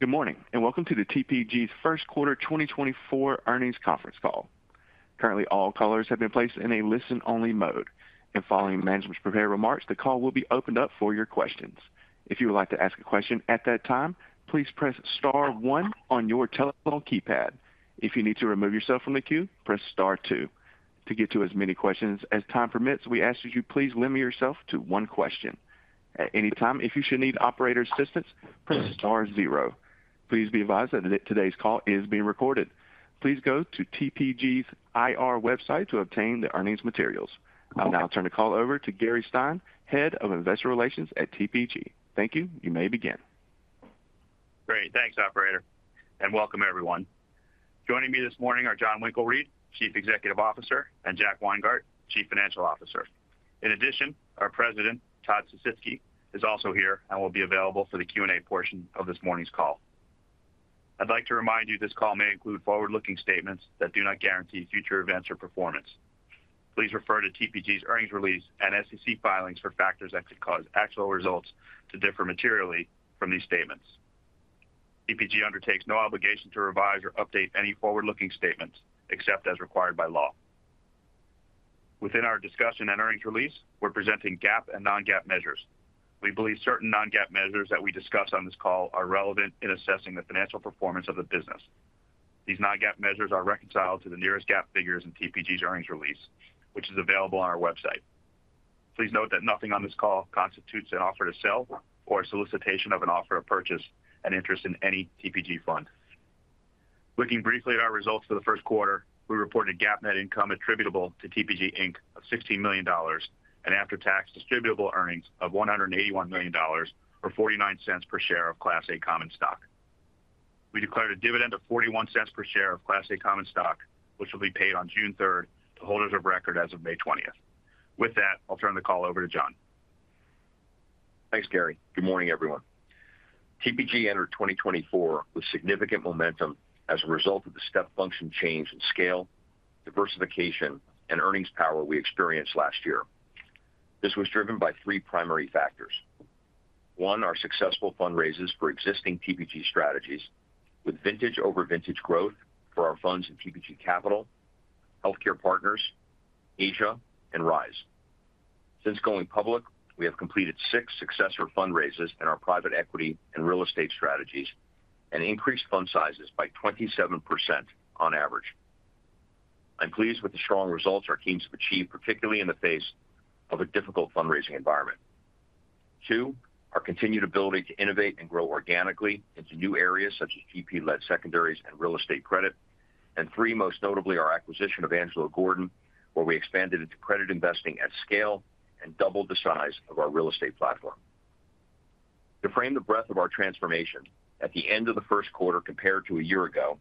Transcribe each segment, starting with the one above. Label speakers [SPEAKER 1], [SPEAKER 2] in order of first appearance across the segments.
[SPEAKER 1] Good morning and welcome to the TPG's first quarter 2024 earnings conference call. Currently, all callers have been placed in a listen-only mode, and following management's prepared remarks, the call will be opened up for your questions. If you would like to ask a question at that time, please press star one on your telephone keypad. If you need to remove yourself from the queue, press star two. To get to as many questions as time permits, we ask that you please limit yourself to one question. At any time, if you should need operator assistance, press star zero. Please be advised that today's call is being recorded. Please go to TPG's IR website to obtain the earnings materials. I'll now turn the call over to Gary Stein, head of investor relations at TPG. Thank you. You may begin.
[SPEAKER 2] Great. Thanks, operator, and welcome, everyone. Joining me this morning are Jon Winkelried, Chief Executive Officer, and Jack Weingart, Chief Financial Officer. In addition, our President, Todd Sisitsky, is also here and will be available for the Q&A portion of this morning's call. I'd like to remind you this call may include forward-looking statements that do not guarantee future events or performance. Please refer to TPG's earnings release and SEC filings for factors that could cause actual results to differ materially from these statements. TPG undertakes no obligation to revise or update any forward-looking statements except as required by law. Within our discussion and earnings release, we're presenting GAAP and non-GAAP measures. We believe certain non-GAAP measures that we discuss on this call are relevant in assessing the financial performance of the business. These non-GAAP measures are reconciled to the nearest GAAP figures in TPG's earnings release, which is available on our website. Please note that nothing on this call constitutes an offer to sell or a solicitation of an offer to purchase an interest in any TPG fund. Looking briefly at our results for the first quarter, we reported a GAAP net income attributable to TPG, Inc., of $16,000,000 and after-tax distributable earnings of $181.49 per share of Class A Common Stock. We declared a dividend of $0.41 per share of Class A Common Stock, which will be paid on June 3rd to holders of record as of May 20th. With that, I'll turn the call over to Jon.
[SPEAKER 3] Thanks, Gary. Good morning, everyone. TPG entered 2024 with significant momentum as a result of the step function change in scale, diversification, and earnings power we experienced last year. This was driven by three primary factors. One, our successful fundraisers for existing TPG strategies with vintage-over-vintage growth for our funds in TPG Capital, Healthcare Partners, Asia, and Rise. Since going public, we have completed six successor fundraisers in our private equity and real estate strategies and increased fund sizes by 27% on average. I'm pleased with the strong results our teams have achieved, particularly in the face of a difficult fundraising environment. Two, our continued ability to innovate and grow organically into new areas such as GP-led secondaries and real estate credit. And three, most notably, our acquisition of Angelo Gordon, where we expanded into credit investing at scale and doubled the size of our real estate platform. To frame the breadth of our transformation, at the end of the first quarter compared to a year ago,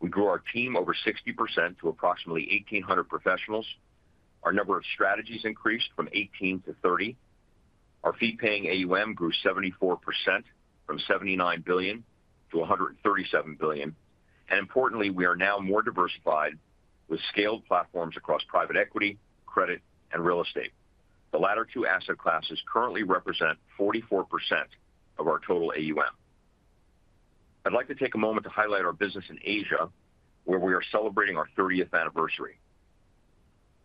[SPEAKER 3] we grew our team over 60% to approximately 1,800 professionals. Our number of strategies increased from 18 to 30. Our fee-paying AUM grew 74% from $79,000,000,000-$137,000,000,000. And importantly, we are now more diversified with scaled platforms across private equity, credit, and real estate. The latter two asset classes currently represent 44% of our total AUM. I'd like to take a moment to highlight our business in Asia, where we are celebrating our 30th anniversary.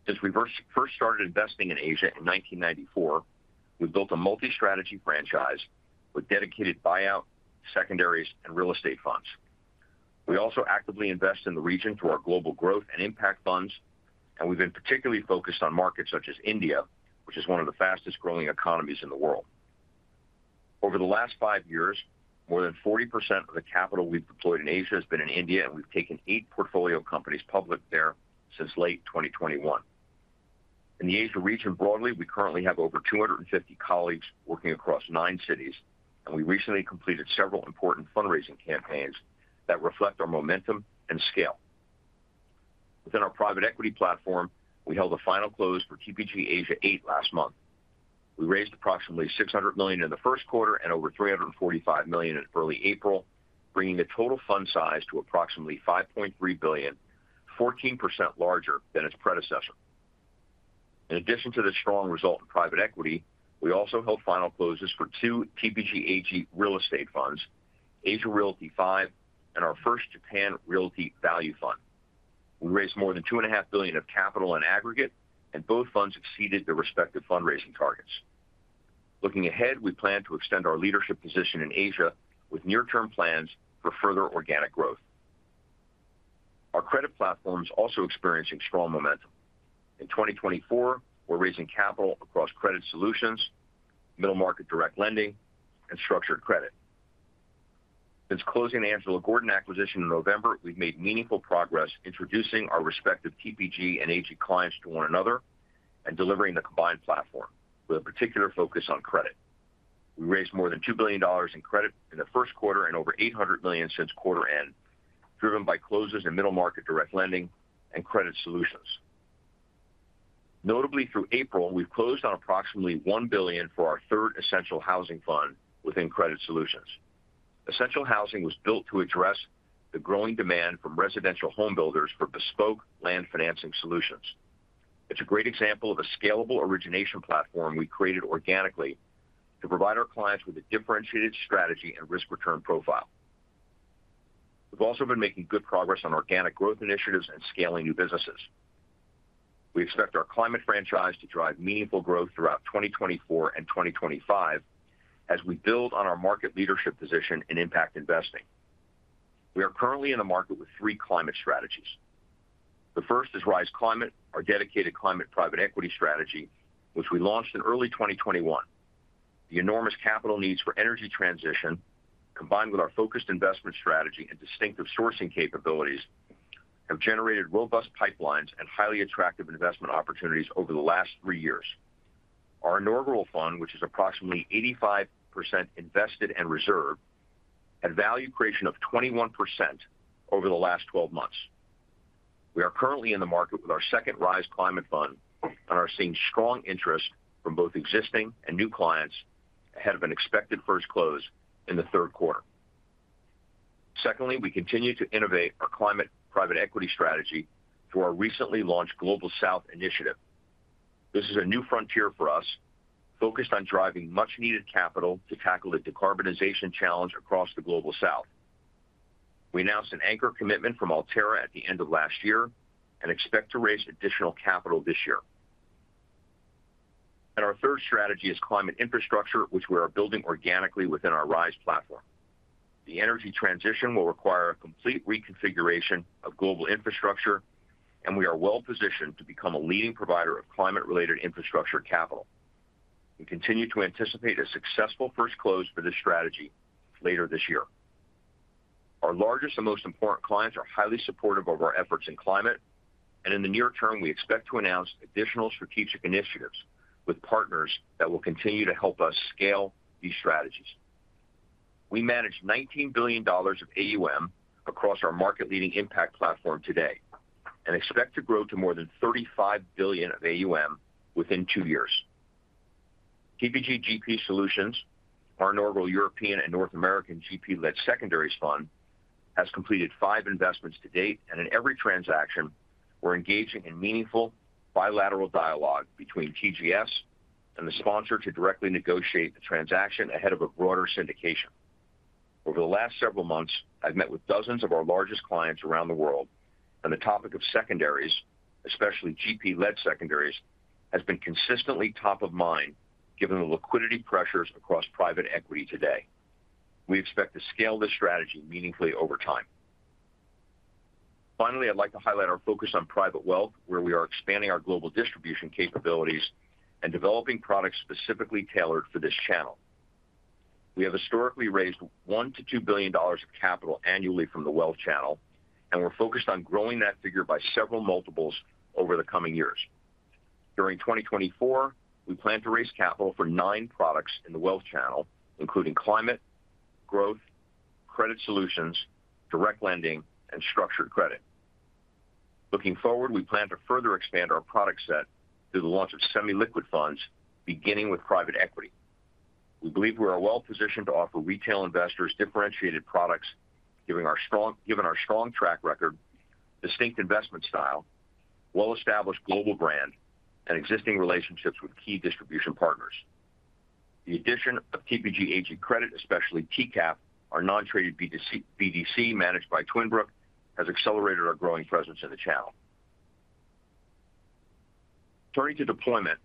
[SPEAKER 3] Since we first started investing in Asia in 1994, we've built a multi-strategy franchise with dedicated buyout, secondaries, and real estate funds. We also actively invest in the region through our global growth and impact funds, and we've been particularly focused on markets such as India, which is one of the fastest-growing economies in the world. Over the last five years, more than 40% of the capital we've deployed in Asia has been in India, and we've taken eight portfolio companies public there since late 2021. In the Asia region broadly, we currently have over 250 colleagues working across nine cities, and we recently completed several important fundraising campaigns that reflect our momentum and scale. Within our private equity platform, we held a final close for TPG Asia VIII last month. We raised approximately $600,000,000 in the first quarter and over $345,000,000 in early April, bringing the total fund size to approximately $5,300,000,000, 14% larger than its predecessor. In addition to the strong result in private equity, we also held final closes for two TPG AG Real Estate funds, Asia Realty V, and our first Japan Realty Value Fund. We raised more than $2,500,000,000 of capital in aggregate, and both funds exceeded their respective fundraising targets. Looking ahead, we plan to extend our leadership position in Asia with near-term plans for further organic growth. Our credit platform is also experiencing strong momentum. In 2024, we're raising capital across Credit Solutions, Middle-Market Direct Lending, and Structured Credit. Since closing the Angelo Gordon acquisition in November, we've made meaningful progress introducing our respective TPG and AG clients to one another and delivering the combined platform, with a particular focus on credit. We raised more than $2,000,000,000 in credit in the first quarter and over $800,000,000 since quarter end, driven by closes in Middle-Market Direct Lending and Credit Solutions. Notably, through April, we've closed on approximately $1,000,000,000 for our third Essential Housing fund within Credit Solutions. Essential Housing was built to address the growing demand from residential home builders for bespoke land financing solutions. It's a great example of a scalable origination platform we created organically to provide our clients with a differentiated strategy and risk-return profile. We've also been making good progress on organic growth initiatives and scaling new businesses. We expect our climate franchise to drive meaningful growth throughout 2024 and 2025 as we build on our market leadership position in impact investing. We are currently in the market with three climate strategies. The first is Rise Climate, our dedicated climate private equity strategy, which we launched in early 2021. The enormous capital needs for energy transition, combined with our focused investment strategy and distinctive sourcing capabilities, have generated robust pipelines and highly attractive investment opportunities over the last three years. Our inaugural fund, which is approximately 85% invested and reserved, had value creation of 21% over the last 12 months. We are currently in the market with our second Rise Climate fund, and are seeing strong interest from both existing and new clients ahead of an expected first close in the third quarter. Secondly, we continue to innovate our climate private equity strategy through our recently launched Global South Initiative. This is a new frontier for us, focused on driving much-needed capital to tackle the decarbonization challenge across the Global South. We announced an anchor commitment from ALTÉRRA at the end of last year and expect to raise additional capital this year. Our third strategy is climate infrastructure, which we are building organically within our Rise platform. The energy transition will require a complete reconfiguration of global infrastructure, and we are well-positioned to become a leading provider of climate-related infrastructure capital. We continue to anticipate a successful first close for this strategy later this year. Our largest and most important clients are highly supportive of our efforts in climate, and in the near term, we expect to announce additional strategic initiatives with partners that will continue to help us scale these strategies. We manage $19,000,000,000 of AUM across our market-leading impact platform today and expect to grow to more than $35,000,000,000 of AUM within two years. TPG GP Solutions, our inaugural European and North American GP-led secondaries fund, has completed five investments to date, and in every transaction, we're engaging in meaningful bilateral dialogue between TGS and the sponsor to directly negotiate the transaction ahead of a broader syndication. Over the last several months, I've met with dozens of our largest clients around the world, and the topic of secondaries, especially GP-led secondaries, has been consistently top of mind given the liquidity pressures across private equity today. We expect to scale this strategy meaningfully over time. Finally, I'd like to highlight our focus on private wealth, where we are expanding our global distribution capabilities and developing products specifically tailored for this channel. We have historically raised $1,000,000,000-$2,000,000,000 of capital annually from the wealth channel, and we're focused on growing that figure by several multiples over the coming years. During 2024, we plan to raise capital for nine products in the wealth channel, including climate, growth, Credit Solutions, Direct Lending, and Structured Credit. Looking forward, we plan to further expand our product set through the launch of semi-liquid funds, beginning with private equity. We believe we are well-positioned to offer retail investors differentiated products, given our strong track record, distinct investment style, well-established global brand, and existing relationships with key distribution partners. The addition of TPG AG Credit, especially TCAP, our non-traded BDC managed by Twin Brook, has accelerated our growing presence in the channel. Turning to deployment,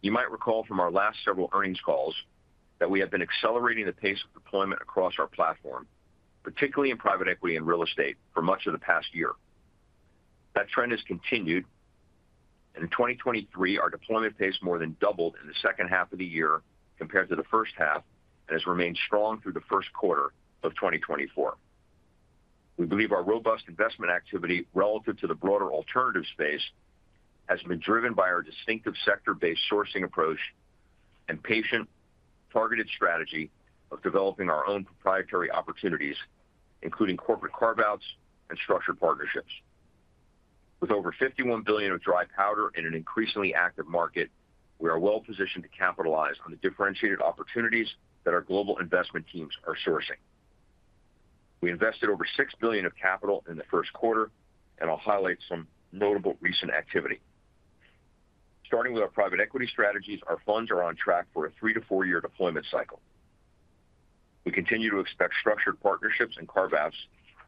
[SPEAKER 3] you might recall from our last several earnings calls that we have been accelerating the pace of deployment across our platform, particularly in private equity and real estate, for much of the past year. That trend has continued, and in 2023, our deployment pace more than doubled in the second half of the year compared to the first half and has remained strong through the first quarter of 2024. We believe our robust investment activity relative to the broader alternative space has been driven by our distinctive sector-based sourcing approach and patient, targeted strategy of developing our own proprietary opportunities, including corporate carve-outs and structured partnerships. With over $51,000,000,000 of dry powder in an increasingly active market, we are well-positioned to capitalize on the differentiated opportunities that our global investment teams are sourcing. We invested over $6,000,000,000 of capital in the first quarter, and I'll highlight some notable recent activity. Starting with our private equity strategies, our funds are on track for a three-to-four-year deployment cycle. We continue to expect structured partnerships and carve-outs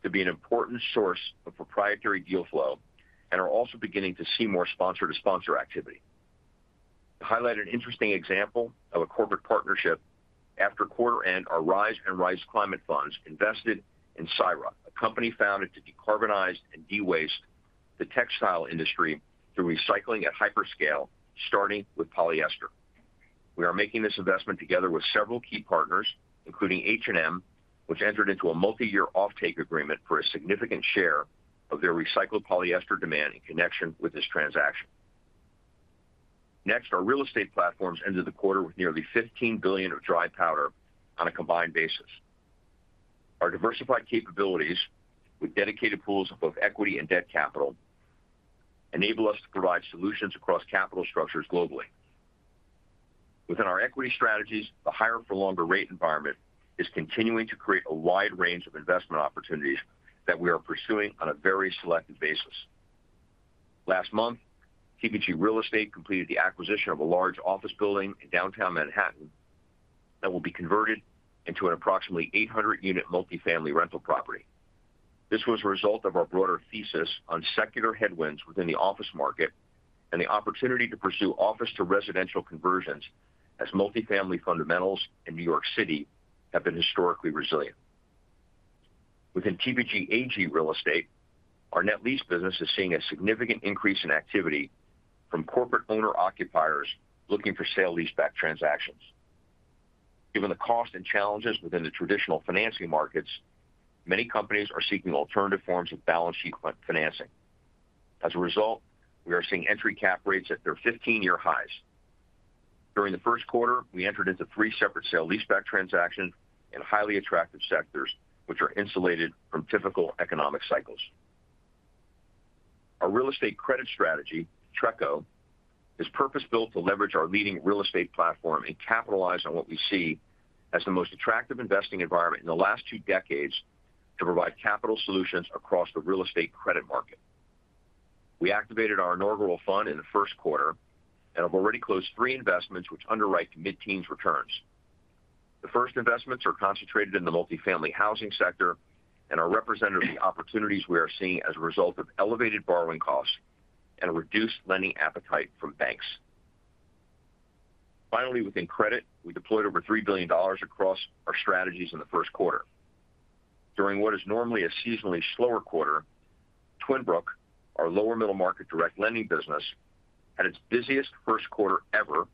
[SPEAKER 3] to be an important source of proprietary deal flow and are also beginning to see more sponsor-to-sponsor activity. To highlight an interesting example of a corporate partnership, after quarter end, our Rise and Rise Climate funds invested in Syre, a company founded to decarbonize and de-waste the textile industry through recycling at hyperscale, starting with polyester. We are making this investment together with several key partners, including H&M, which entered into a multi-year offtake agreement for a significant share of their recycled polyester demand in connection with this transaction. Next, our real estate platforms ended the quarter with nearly $15,000,000,000 of dry powder on a combined basis. Our diversified capabilities, with dedicated pools of both equity and debt capital, enable us to provide solutions across capital structures globally. Within our equity strategies, the higher-for-longer rate environment is continuing to create a wide range of investment opportunities that we are pursuing on a very selected basis. Last month, TPG Real Estate completed the acquisition of a large office building in downtown Manhattan that will be converted into an approximately 800-unit multifamily rental property. This was a result of our broader thesis on secular headwinds within the office market and the opportunity to pursue office-to-residential conversions as multifamily fundamentals in New York City have been historically resilient. Within TPG AG Real Estate, our net lease business is seeing a significant increase in activity from corporate owner-occupiers looking for sale-leaseback transactions. Given the cost and challenges within the traditional financing markets, many companies are seeking alternative forms of balance sheet financing. As a result, we are seeing entry cap rates at their 15-year highs. During the first quarter, we entered into three separate sale-leaseback transactions in highly attractive sectors, which are insulated from typical economic cycles. Our real estate credit strategy, TRECO, is purpose-built to leverage our leading real estate platform and capitalize on what we see as the most attractive investing environment in the last two decades to provide capital solutions across the real estate credit market. We activated our inaugural fund in the first quarter and have already closed three investments which underwrite mid-teens returns. The first investments are concentrated in the multifamily housing sector and are representative of the opportunities we are seeing as a result of elevated borrowing costs and a reduced lending appetite from banks. Finally, within credit, we deployed over $3,000,000,000 across our strategies in the first quarter. During what is normally a seasonally slower quarter, Twin Brook, our lower Middle-Market Direct Lending business, had its busiest first quarter ever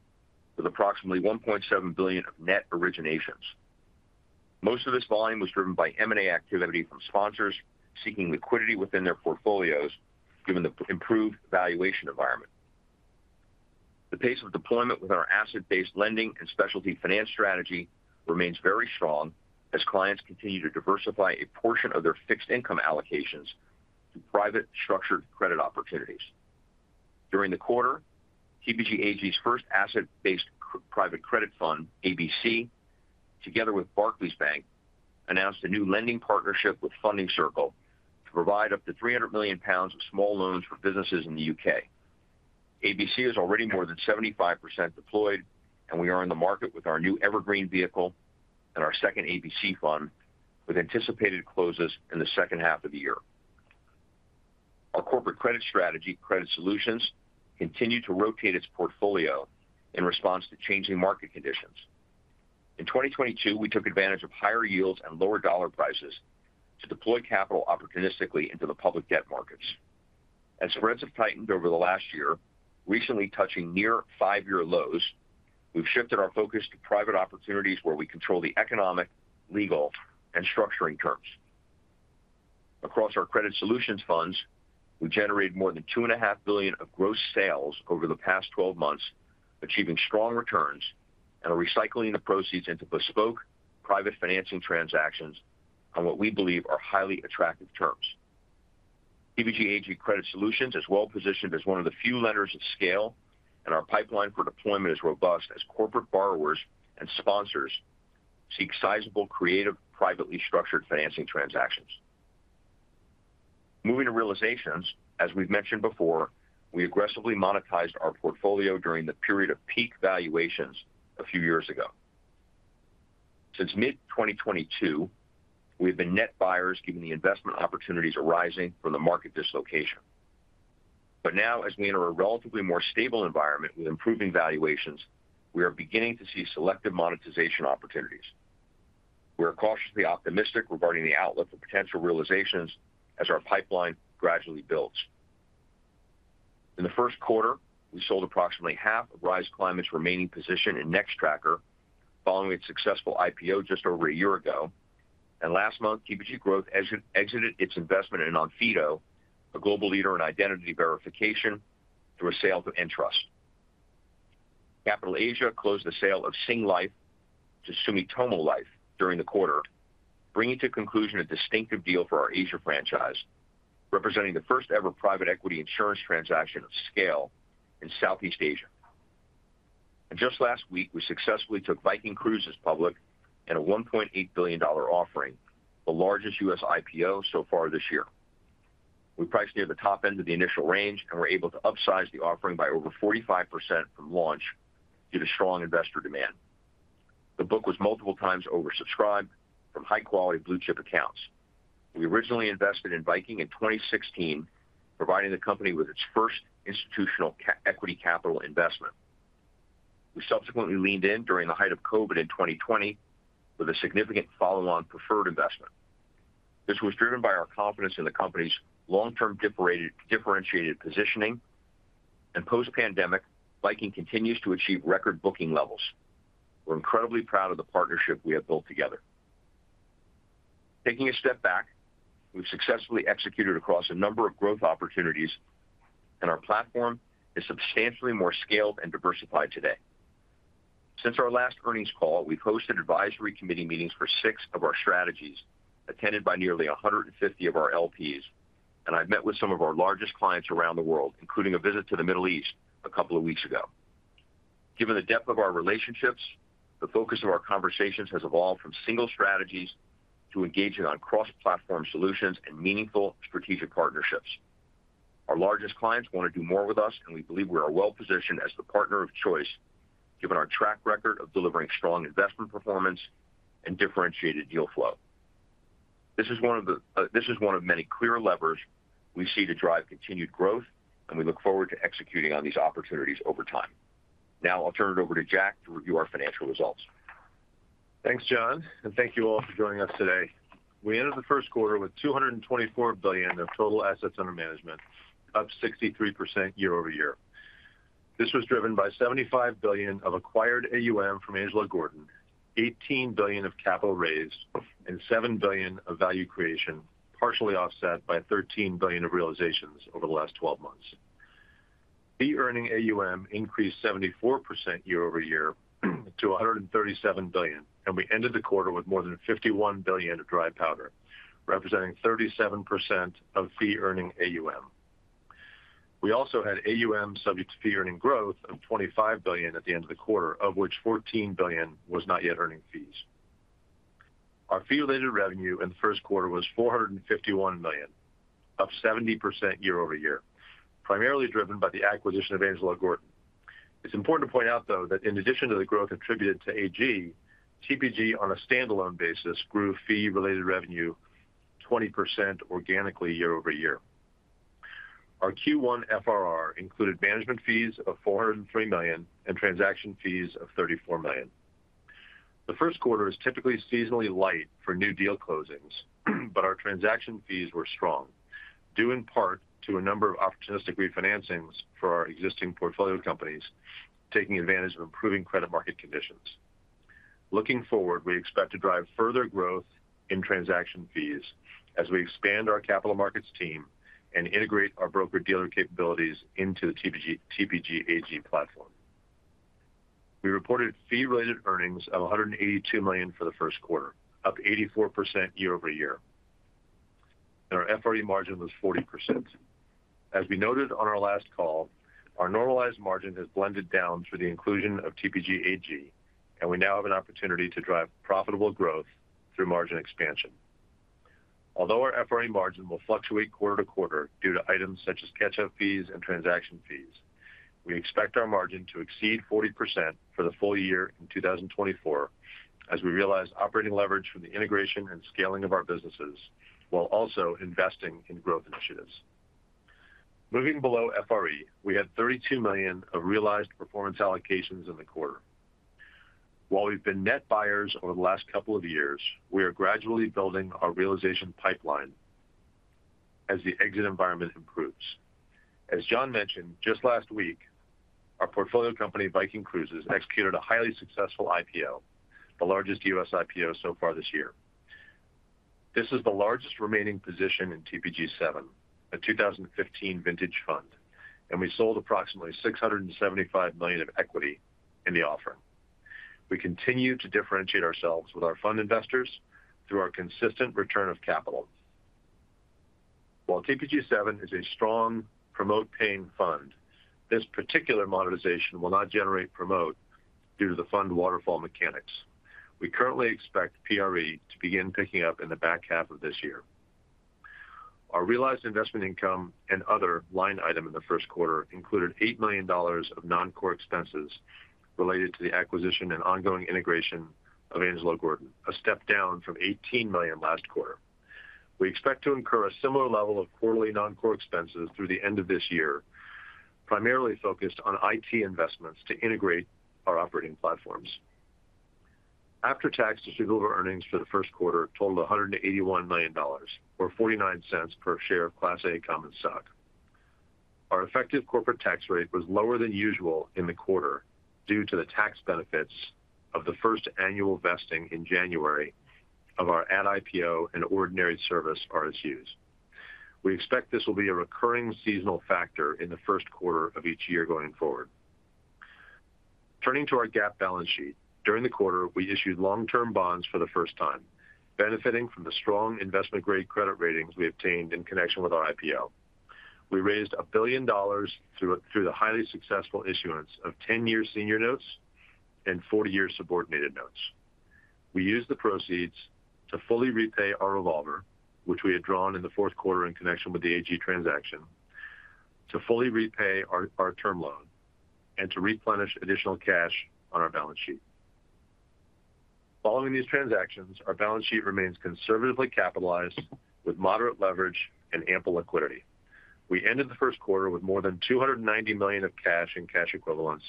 [SPEAKER 3] with approximately $1.,700,000,000 of net originations. Most of this volume was driven by M&A activity from sponsors seeking liquidity within their portfolios given the improved valuation environment. The pace of deployment within our asset-based lending and specialty finance strategy remains very strong as clients continue to diversify a portion of their fixed income allocations to private Structured Credit opportunities. During the quarter, TPG AG's first asset-based private credit fund, ABC, together with Barclays Bank, announced a new lending partnership with Funding Circle to provide up to 300,000,000 pounds of small loans for businesses in the UK. ABC is already more than 75% deployed, and we are in the market with our new evergreen vehicle and our second ABC fund, with anticipated closes in the second half of the year. Our corporate credit strategy, Credit Solutions, continued to rotate its portfolio in response to changing market conditions. In 2022, we took advantage of higher yields and lower dollar prices to deploy capital opportunistically into the public debt markets. As spreads have tightened over the last year, recently touching near five-year lows, we've shifted our focus to private opportunities where we control the economic, legal, and structuring terms. Across our Credit Solutions funds, we generated more than $2,500,000,000 of gross sales over the past 12 months, achieving strong returns and recycling the proceeds into bespoke private financing transactions on what we believe are highly attractive terms. TPG AG Credit Solutions is well-positioned as one of the few lenders of scale, and our pipeline for deployment is robust as corporate borrowers and sponsors seek sizable creative privately structured financing transactions. Moving to realizations, as we've mentioned before, we aggressively monetized our portfolio during the period of peak valuations a few years ago. Since mid-2022, we have been net buyers given the investment opportunities arising from the market dislocation. But now, as we enter a relatively more stable environment with improving valuations, we are beginning to see selective monetization opportunities. We are cautiously optimistic regarding the outlook for potential realizations as our pipeline gradually builds. In the first quarter, we sold approximately half of Rise Climate's remaining position in Nextracker following its successful IPO just over a year ago. Last month, TPG Growth exited its investment in Onfido, a global leader in identity verification, through a sale to Entrust. TPG Capital Asia closed the sale of Singlife to Sumitomo Life during the quarter, bringing to conclusion a distinctive deal for our Asia franchise, representing the first-ever private equity insurance transaction of scale in Southeast Asia. Just last week, we successfully took Viking Cruises public in a $1,800,000,000 offering, the largest U.S. IPO so far this year. We priced near the top end of the initial range and were able to upsize the offering by over 45% from launch due to strong investor demand. The book was multiple times oversubscribed from high-quality blue-chip accounts. We originally invested in Viking in 2016, providing the company with its first institutional equity capital investment. We subsequently leaned in during the height of COVID in 2020 with a significant follow-on preferred investment. This was driven by our confidence in the company's long-term differentiated positioning, and post-pandemic, Viking continues to achieve record booking levels. We're incredibly proud of the partnership we have built together. Taking a step back, we've successfully executed across a number of growth opportunities, and our platform is substantially more scaled and diversified today. Since our last earnings call, we've hosted advisory committee meetings for six of our strategies, attended by nearly 150 of our LPs, and I've met with some of our largest clients around the world, including a visit to the Middle East a couple of weeks ago. Given the depth of our relationships, the focus of our conversations has evolved from single strategies to engaging on cross-platform solutions and meaningful strategic partnerships. Our largest clients want to do more with us, and we believe we are well-positioned as the partner of choice given our track record of delivering strong investment performance and differentiated deal flow. This is one of many clear levers we see to drive continued growth, and we look forward to executing on these opportunities over time. Now, I'll turn it over to Jack to review our financial results.
[SPEAKER 4] Thanks, Jon. And thank you all for joining us today. We ended the first quarter with $224,000,000,000 of total assets under management, up 63% year-over-year. This was driven by $75,000,000,000 of acquired AUM from Angelo Gordon, $18,000,000,000 of capital raised, and $7,000,000,000 of value creation, partially offset by $13,000,000,000 of realizations over the last 12 months. Fee earning AUM increased 74% year-over-year to $137,000,000,000, and we ended the quarter with more than $51,000,000,000 of dry powder, representing 37% of fee earning AUM. We also had AUM subject to fee earning growth of $25,000,000,000 at the end of the quarter, of which $14,000,000,000 was not yet earning fees. Our fee-related revenue in the first quarter was $451,000,000, up 70% year-over-year, primarily driven by the acquisition of Angelo Gordon. It's important to point out, though, that in addition to the growth attributed to AG, TPG, on a standalone basis, grew fee-related revenue 20% organically year-over-year. Our Q1 FRR included management fees of $403,000,000 and transaction fees of $34,000,000. The first quarter is typically seasonally light for new deal closings, but our transaction fees were strong, due in part to a number of opportunistic refinancings for our existing portfolio companies taking advantage of improving credit market conditions. Looking forward, we expect to drive further growth in transaction fees as we expand our capital markets team and integrate our broker-dealer capabilities into the TPG AG platform. We reported fee-related earnings of $182,000,000 for the first quarter, up 84% year-over-year. And our FRE margin was 40%. As we noted on our last call, our normalized margin has blended down through the inclusion of TPG AG, and we now have an opportunity to drive profitable growth through margin expansion. Although our FRE margin will fluctuate quarter to quarter due to items such as catch-up fees and transaction fees, we expect our margin to exceed 40% for the full year in 2024 as we realize operating leverage from the integration and scaling of our businesses while also investing in growth initiatives. Moving below FRE, we had $32,000,000 of realized performance allocations in the quarter. While we've been net buyers over the last couple of years, we are gradually building our realization pipeline as the exit environment improves. As Jon mentioned, just last week, our portfolio company, Viking Cruises, executed a highly successful IPO, the largest U.S. IPO so far this year. This is the largest remaining position in TPG VII, a 2015 vintage fund, and we sold approximately $675,000,000 of equity in the offering. We continue to differentiate ourselves with our fund investors through our consistent return of capital. While TPG VII is a strong promote-paying fund, this particular monetization will not generate promote due to the fund waterfall mechanics. We currently expect PRE to begin picking up in the back half of this year. Our realized investment income and other line item in the first quarter included $8,000,000 of non-core expenses related to the acquisition and ongoing integration of Angelo Gordon, a step down from $18,000,000 last quarter. We expect to incur a similar level of quarterly non-core expenses through the end of this year, primarily focused on IT investments to integrate our operating platforms. After-tax distributable earnings for the first quarter totaled $181,000,000 or $0.49 per share of Class A Common Stock. Our effective corporate tax rate was lower than usual in the quarter due to the tax benefits of the first annual vesting in January of our at-IPO and ordinary service RSUs. We expect this will be a recurring seasonal factor in the first quarter of each year going forward. Turning to our GAAP balance sheet, during the quarter, we issued long-term bonds for the first time, benefiting from the strong investment-grade credit ratings we obtained in connection with our IPO. We raised $1,000,000,000 through the highly successful issuance of 10-year senior notes and 40-year subordinated notes. We used the proceeds to fully repay our revolver, which we had drawn in the fourth quarter in connection with the AG transaction, to fully repay our term loan and to replenish additional cash on our balance sheet. Following these transactions, our balance sheet remains conservatively capitalized with moderate leverage and ample liquidity. We ended the first quarter with more than $290,000,000 of cash and cash equivalents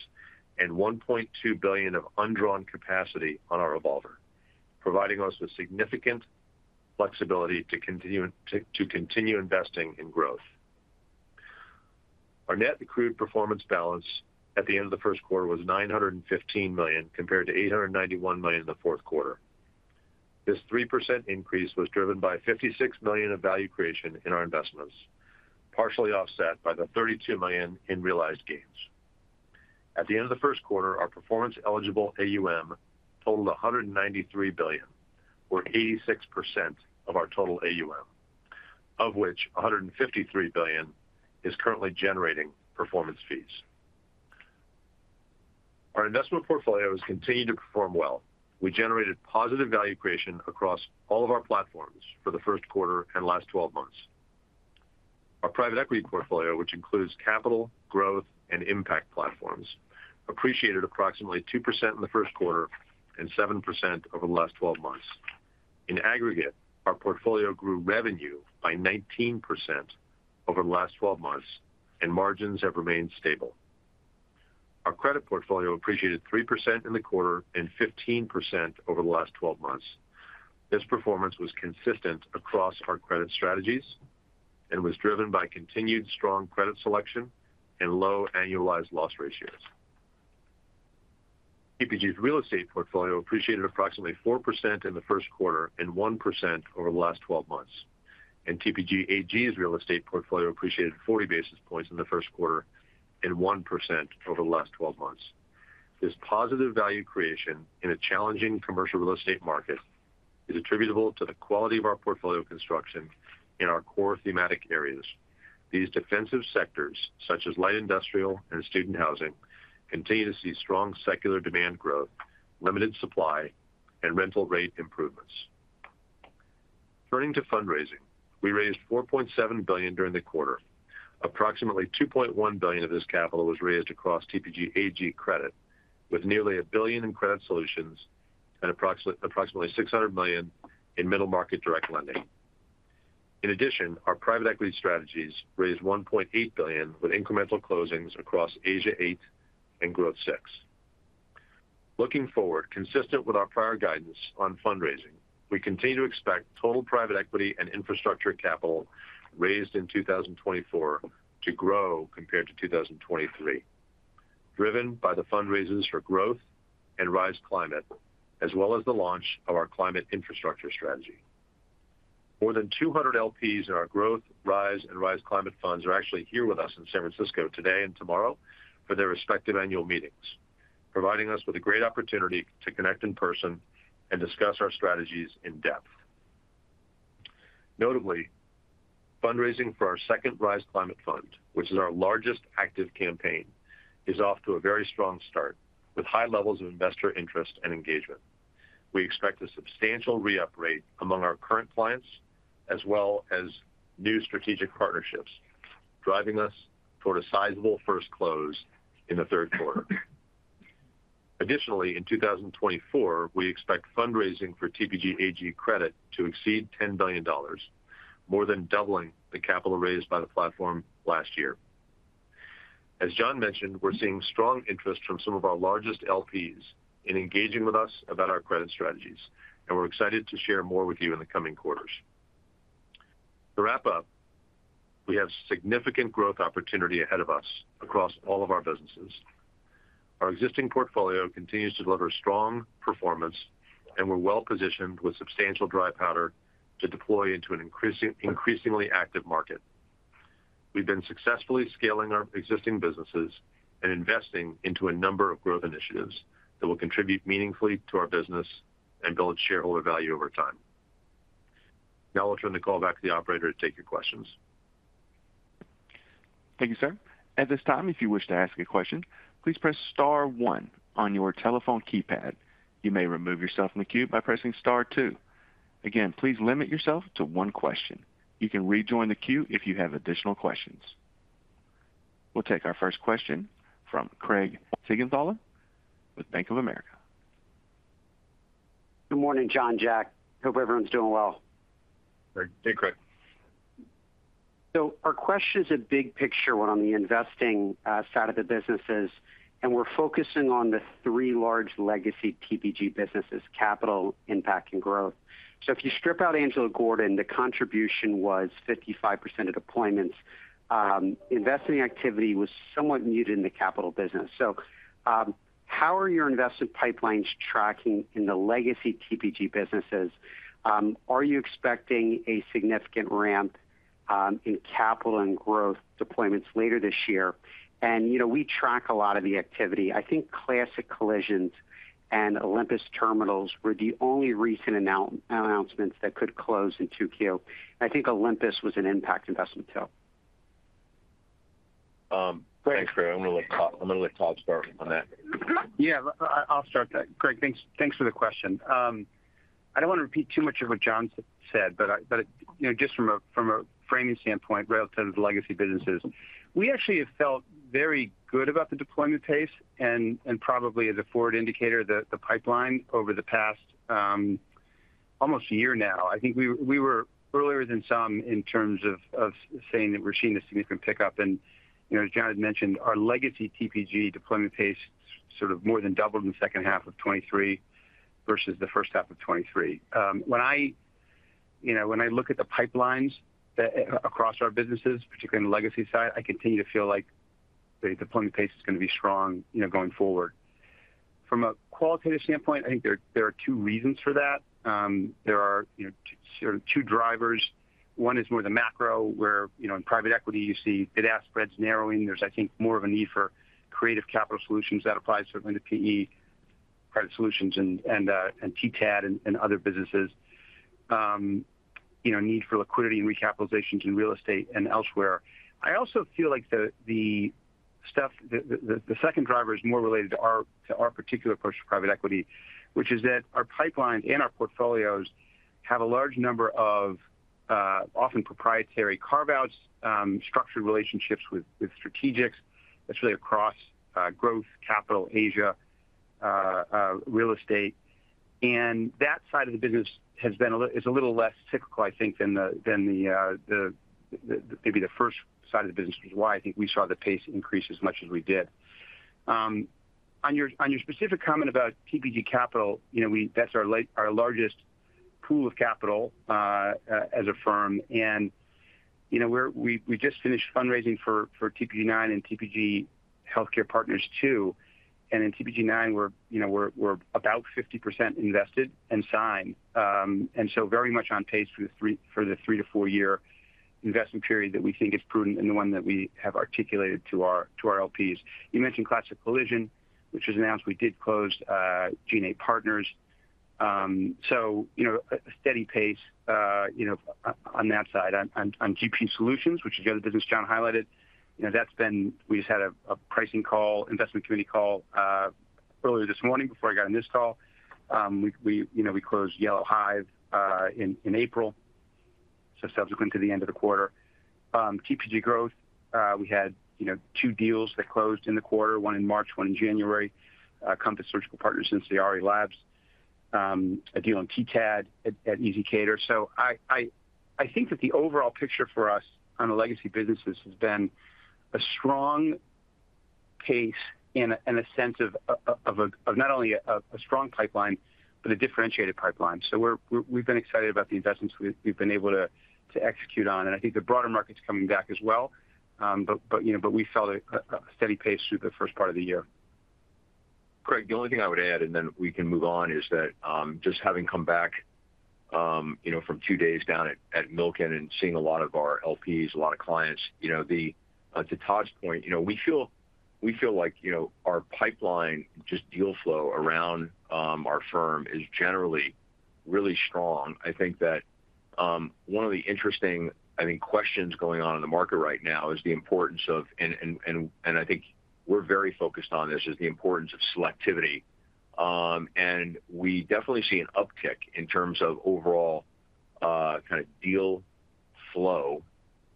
[SPEAKER 4] and $1,200,000,000 of undrawn capacity on our revolver, providing us with significant flexibility to continue investing in growth. Our net accrued performance balance at the end of the first quarter was $915,000,000 compared to $891,000,000 in the fourth quarter. This 3% increase was driven by $56,000,000 of value creation in our investments, partially offset by the $32,000,000 in realized gains. At the end of the first quarter, our performance-eligible AUM totaled $193,000,000,000 or 86% of our total AUM, of which $153,000,000,000 is currently generating performance fees. Our investment portfolio has continued to perform well. We generated positive value creation across all of our platforms for the first quarter and last 12 months. Our private equity portfolio, which includes capital, growth, and impact platforms, appreciated approximately 2% in the first quarter and 7% over the last 12 months. In aggregate, our portfolio grew revenue by 19% over the last 12 months, and margins have remained stable. Our credit portfolio appreciated 3% in the quarter and 15% over the last 12 months. This performance was consistent across our credit strategies and was driven by continued strong credit selection and low annualized loss ratios. TPG's real estate portfolio appreciated approximately 4% in the first quarter and 1% over the last 12 months. TPG AG's real estate portfolio appreciated 40 basis points in the first quarter and 1% over the last 12 months. This positive value creation in a challenging commercial real estate market is attributable to the quality of our portfolio construction in our core thematic areas. These defensive sectors, such as light industrial and student housing, continue to see strong secular demand growth, limited supply, and rental rate improvements. Turning to fundraising, we raised $4,700,000,000 during the quarter. Approximately $2,100,000,000 of this capital was raised across TPG AG Credit, with nearly $1,000,000,000 in Credit Solutions and approximately $600,000,000 in Middle-Market Direct Lending. In addition, our private equity strategies raised $1,800,000,000 with incremental closings across Asia VIII and Growth VI. Looking forward, consistent with our prior guidance on fundraising, we continue to expect total private equity and infrastructure capital raised in 2024 to grow compared to 2023, driven by the fundraisers for Growth and Rise Climate, as well as the launch of our climate infrastructure strategy. More than 200 LPs in our Growth, Rise, and Rise Climate funds are actually here with us in San Francisco today and tomorrow for their respective annual meetings, providing us with a great opportunity to connect in person and discuss our strategies in depth. Notably, fundraising for our second Rise Climate fund, which is our largest active campaign, is off to a very strong start with high levels of investor interest and engagement. We expect a substantial re-up rate among our current clients as well as new strategic partnerships, driving us toward a sizable first close in the third quarter. Additionally, in 2024, we expect fundraising for TPG AG credit to exceed $10,000,000,000, more than doubling the capital raised by the platform last year. As Jon mentioned, we're seeing strong interest from some of our largest LPs in engaging with us about our credit strategies, and we're excited to share more with you in the coming quarters. To wrap up, we have significant growth opportunity ahead of us across all of our businesses. Our existing portfolio continues to deliver strong performance, and we're well-positioned with substantial dry powder to deploy into an increasingly active market. We've been successfully scaling our existing businesses and investing into a number of growth initiatives that will contribute meaningfully to our business and build shareholder value over time. Now, I'll turn the call back to the operator to take your questions.
[SPEAKER 1] Thank you, sir. At this time, if you wish to ask a question, please press star 1 on your telephone keypad. You may remove yourself from the queue by pressing star 2. Again, please limit yourself to one question. You can rejoin the queue if you have additional questions. We'll take our first question from Craig Siegenthaler with Bank of America.
[SPEAKER 5] Good morning, Jon, Jack. Hope everyone's doing well.
[SPEAKER 3] Hey, Craig.
[SPEAKER 5] So our question is a big picture one on the investing side of the businesses, and we're focusing on the three large legacy TPG businesses: capital, impact, and growth. So if you strip out Angelo Gordon, the contribution was 55% of deployments. Investing activity was somewhat muted in the capital business. So how are your investment pipelines tracking in the legacy TPG businesses? Are you expecting a significant ramp in capital and growth deployments later this year? And we track a lot of the activity. I think Classic Collision and Olympus Terminals were the only recent announcements that could close in 2Q. I think Olympus was an impact investment, too.
[SPEAKER 3] Craig, I'm going to let Todd start on that.
[SPEAKER 6] Yeah, I'll start that. Craig, thanks for the question. I don't want to repeat too much of what Jon said, but just from a framing standpoint relative to the legacy businesses, we actually have felt very good about the deployment pace and probably, as a forward indicator, the pipeline over the past almost year now. I think we were earlier than some in terms of saying that we're seeing a significant pickup. And as Jon had mentioned, our legacy TPG deployment pace sort of more than doubled in the second half of 2023 versus the first half of 2023. When I look at the pipelines across our businesses, particularly on the legacy side, I continue to feel like the deployment pace is going to be strong going forward. From a qualitative standpoint, I think there are two reasons for that. There are sort of two drivers. One is more the macro, where in private equity, you see bid-ask spreads narrowing. There's, I think, more of a need for creative capital solutions that apply certainly to PE, private solutions, and TTAD and other businesses, need for liquidity and recapitalizations in real estate and elsewhere. I also feel like the second driver is more related to our particular approach to private equity, which is that our pipelines and our portfolios have a large number of often proprietary carve-outs, structured relationships with strategics. That's really across growth, capital, Asia, real estate. And that side of the business is a little less cyclical, I think, than maybe the first side of the business was. Why I think we saw the pace increase as much as we did. On your specific comment about TPG Capital, that's our largest pool of capital as a firm. We just finished fundraising for TPG IX and TPG Healthcare Partners II. In TPG IX, we're about 50% invested and signed, and so very much on pace for the 3-4-year investment period that we think is prudent and the one that we have articulated to our LPs. You mentioned Classic Collision, which was announced. We did close TPG Asia VIII. So a steady pace on that side. On GP Solutions, which is the other business Jon highlighted, we just had a pricing call, investment committee call earlier this morning before I got on this call. We closed Yellow Hive in April, so subsequent to the end of the quarter. TPG Growth, we had two deals that closed in the quarter, one in March, one in January, Compass Surgical Partners and Sayari, a deal on TTAD at ezCater. So I think that the overall picture for us on the legacy businesses has been a strong pace and a sense of not only a strong pipeline but a differentiated pipeline. So we've been excited about the investments we've been able to execute on. And I think the broader market's coming back as well, but we felt a steady pace through the first part of the year.
[SPEAKER 3] Craig, the only thing I would add, and then we can move on, is that just having come back from two days down at Milken and seeing a lot of our LPs, a lot of clients, to Todd's point, we feel like our pipeline, just deal flow around our firm, is generally really strong. I think that one of the interesting, I think, questions going on in the market right now is the importance of and I think we're very focused on this, is the importance of selectivity. And we definitely see an uptick in terms of overall kind of deal flow.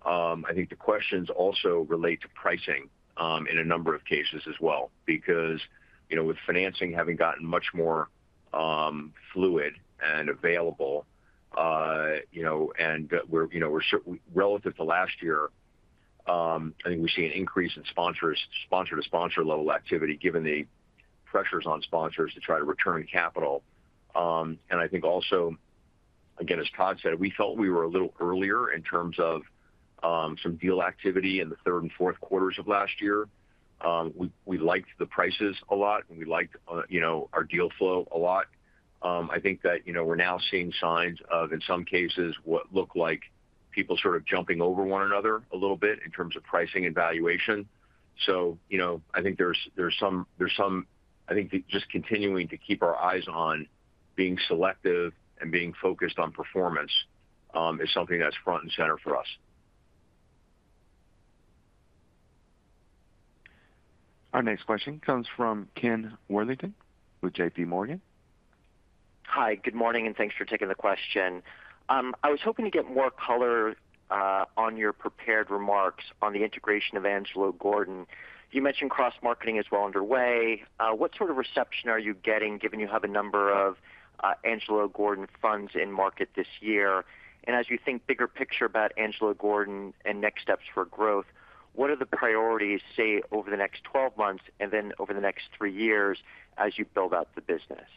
[SPEAKER 3] I think the questions also relate to pricing in a number of cases as well because with financing having gotten much more fluid and available, and relative to last year. I think we see an increase in sponsor-to-sponsor level activity given the pressures on sponsors to try to return capital. And I think also, again, as Todd said, we felt we were a little earlier in terms of some deal activity in the third and fourth quarters of last year. We liked the prices a lot, and we liked our deal flow a lot. I think that we're now seeing signs of, in some cases, what look like people sort of jumping over one another a little bit in terms of pricing and valuation. So I think there's some I think just continuing to keep our eyes on being selective and being focused on performance is something that's front and center for us.
[SPEAKER 1] Our next question comes from Ken Worthington with J.P. Morgan.
[SPEAKER 7] Hi. Good morning, and thanks for taking the question. I was hoping to get more color on your prepared remarks on the integration of Angelo Gordon. You mentioned cross-marketing is well underway. What sort of reception are you getting given you have a number of Angelo Gordon funds in market this year? And as you think bigger picture about Angelo Gordon and next steps for growth, what are the priorities, say, over the next 12 months and then over the next three years as you build out the business?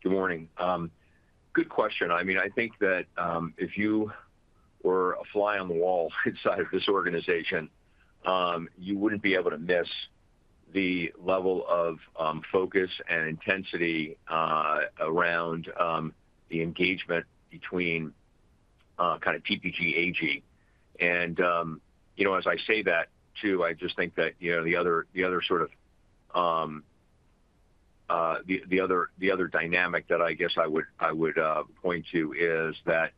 [SPEAKER 3] Good morning. Good question. I mean, I think that if you were a fly on the wall inside of this organization, you wouldn't be able to miss the level of focus and intensity around the engagement between kind of TPG AG. And as I say that, too, I just think that the other dynamic that I guess I would point to is that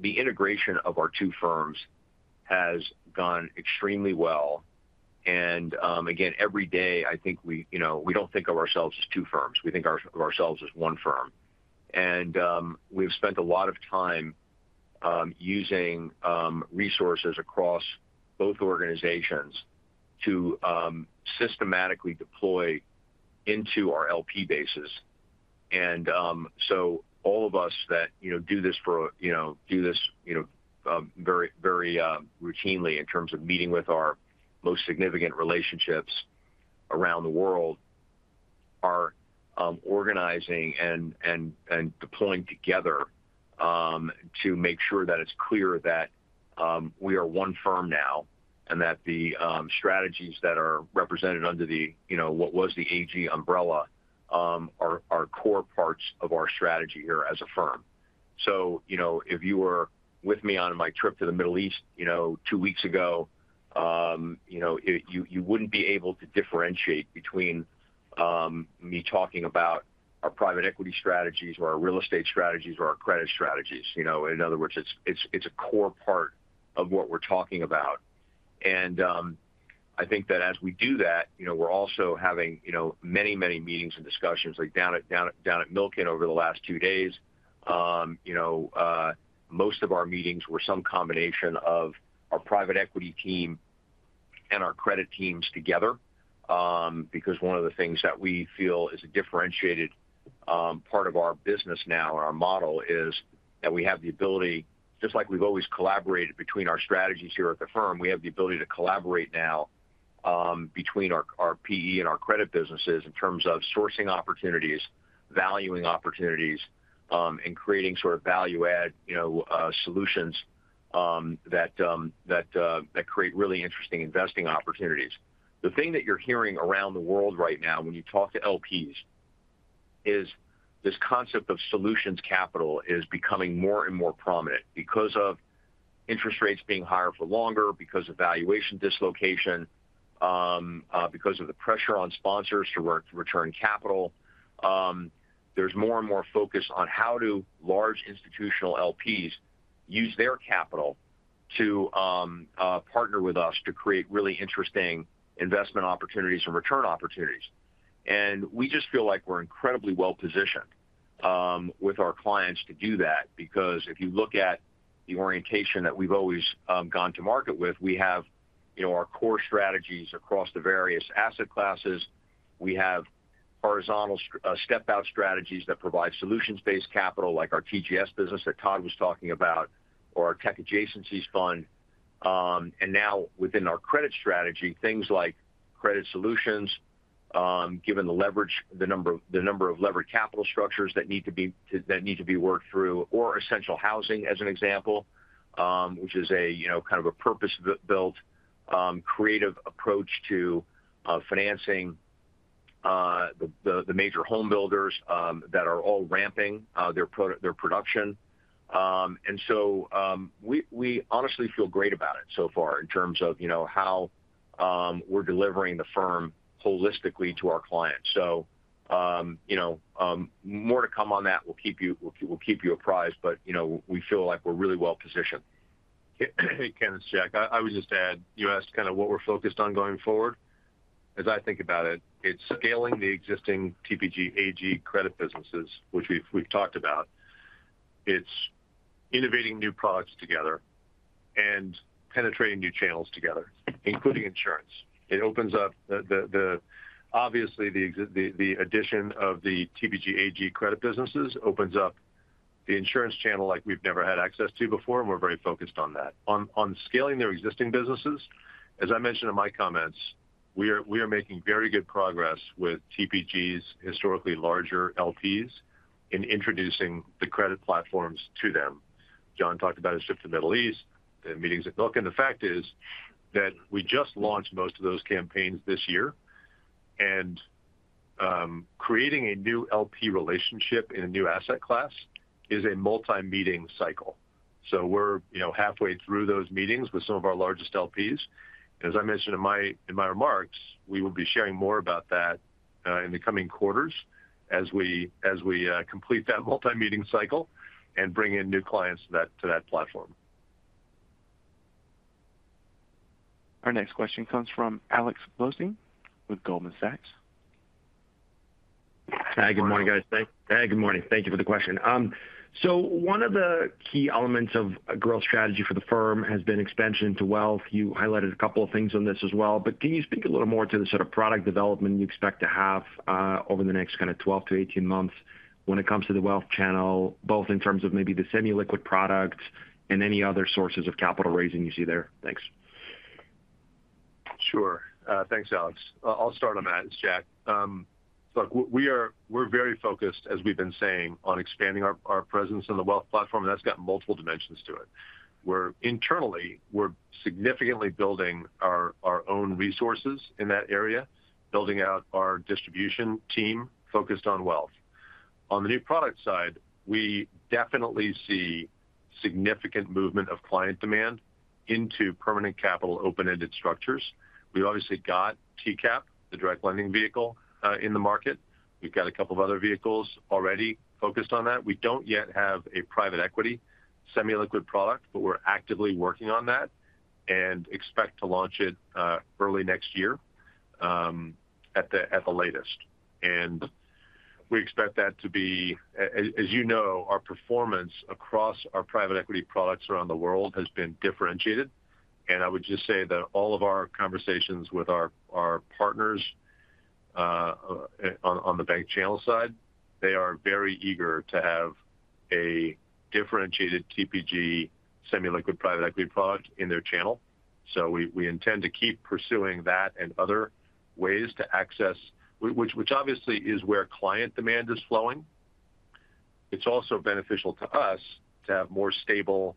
[SPEAKER 3] the integration of our two firms has gone extremely well. And again, every day, I think we don't think of ourselves as two firms. We think of ourselves as one firm. And we've spent a lot of time using resources across both organizations to systematically deploy into our LP bases. And so all of us that do this very routinely in terms of meeting with our most significant relationships around the world are organizing and deploying together to make sure that it's clear that we are one firm now and that the strategies that are represented under what was the AG umbrella are core parts of our strategy here as a firm. So if you were with me on my trip to the Middle East two weeks ago, you wouldn't be able to differentiate between me talking about our private equity strategies or our real estate strategies or our credit strategies. In other words, it's a core part of what we're talking about. And I think that as we do that, we're also having many, many meetings and discussions. Like down at Milken over the last two days, most of our meetings were some combination of our private equity team and our credit teams together because one of the things that we feel is a differentiated part of our business now and our model is that we have the ability just like we've always collaborated between our strategies here at the firm. We have the ability to collaborate now between our PE and our credit businesses in terms of sourcing opportunities, valuing opportunities, and creating sort of value-add solutions that create really interesting investing opportunities. The thing that you're hearing around the world right now when you talk to LPs is this concept of solutions capital is becoming more and more prominent because of interest rates being higher for longer, because of valuation dislocation, because of the pressure on sponsors to return capital. There's more and more focus on how do large institutional LPs use their capital to partner with us to create really interesting investment opportunities and return opportunities. We just feel like we're incredibly well-positioned with our clients to do that because if you look at the orientation that we've always gone to market with, we have our core strategies across the various asset classes. We have horizontal step-out strategies that provide solutions-based capital like our TGS business that Todd was talking about or our tech adjacencies fund. And now within our credit strategy, things like Credit Solutions, given the number of leveraged capital structures that need to be worked through, or essential housing, as an example, which is kind of a purpose-built creative approach to financing the major homebuilders that are all ramping their production. We honestly feel great about it so far in terms of how we're delivering the firm holistically to our clients. More to come on that. We'll keep you apprised, but we feel like we're really well-positioned.
[SPEAKER 4] Hey, Kenneth, Jack. I would just add, you asked kind of what we're focused on going forward. As I think about it, it's scaling the existing TPG AG Credit businesses, which we've talked about. It's innovating new products together and penetrating new channels together, including insurance. Obviously, the addition of the TPG AG Credit businesses opens up the insurance channel like we've never had access to before, and we're very focused on that. On scaling their existing businesses, as I mentioned in my comments, we are making very good progress with TPG's historically larger LPs in introducing the credit platforms to them. Jon talked about a shift to the Middle East, the meetings at Milken. The fact is that we just launched most of those campaigns this year. And creating a new LP relationship in a new asset class is a multi-meeting cycle. We're halfway through those meetings with some of our largest LPs. As I mentioned in my remarks, we will be sharing more about that in the coming quarters as we complete that multi-meeting cycle and bring in new clients to that platform.
[SPEAKER 1] Our next question comes from Alex Blostein with Goldman Sachs.
[SPEAKER 8] Hi. Good morning, guys. Thank you for the question. So one of the key elements of a growth strategy for the firm has been expansion to wealth. You highlighted a couple of things on this as well. But can you speak a little more to the sort of product development you expect to have over the next kind of 12-18 months when it comes to the wealth channel, both in terms of maybe the semi-liquid products and any other sources of capital raising you see there? Thanks.
[SPEAKER 4] Sure. Thanks, Alex. I'll start on that, Jack. Look, we're very focused, as we've been saying, on expanding our presence on the wealth platform, and that's got multiple dimensions to it. Internally, we're significantly building our own resources in that area, building out our distribution team focused on wealth. On the new product side, we definitely see significant movement of client demand into permanent capital open-ended structures. We've obviously got TCAP, the Direct Lending vehicle, in the market. We've got a couple of other vehicles already focused on that. We don't yet have a private equity semi-liquid product, but we're actively working on that and expect to launch it early next year at the latest. And we expect that to be as you know, our performance across our private equity products around the world has been differentiated. I would just say that all of our conversations with our partners on the bank channel side. They are very eager to have a differentiated TPG semi-liquid private equity product in their channel. So we intend to keep pursuing that and other ways to access, which obviously is where client demand is flowing. It's also beneficial to us to have more stable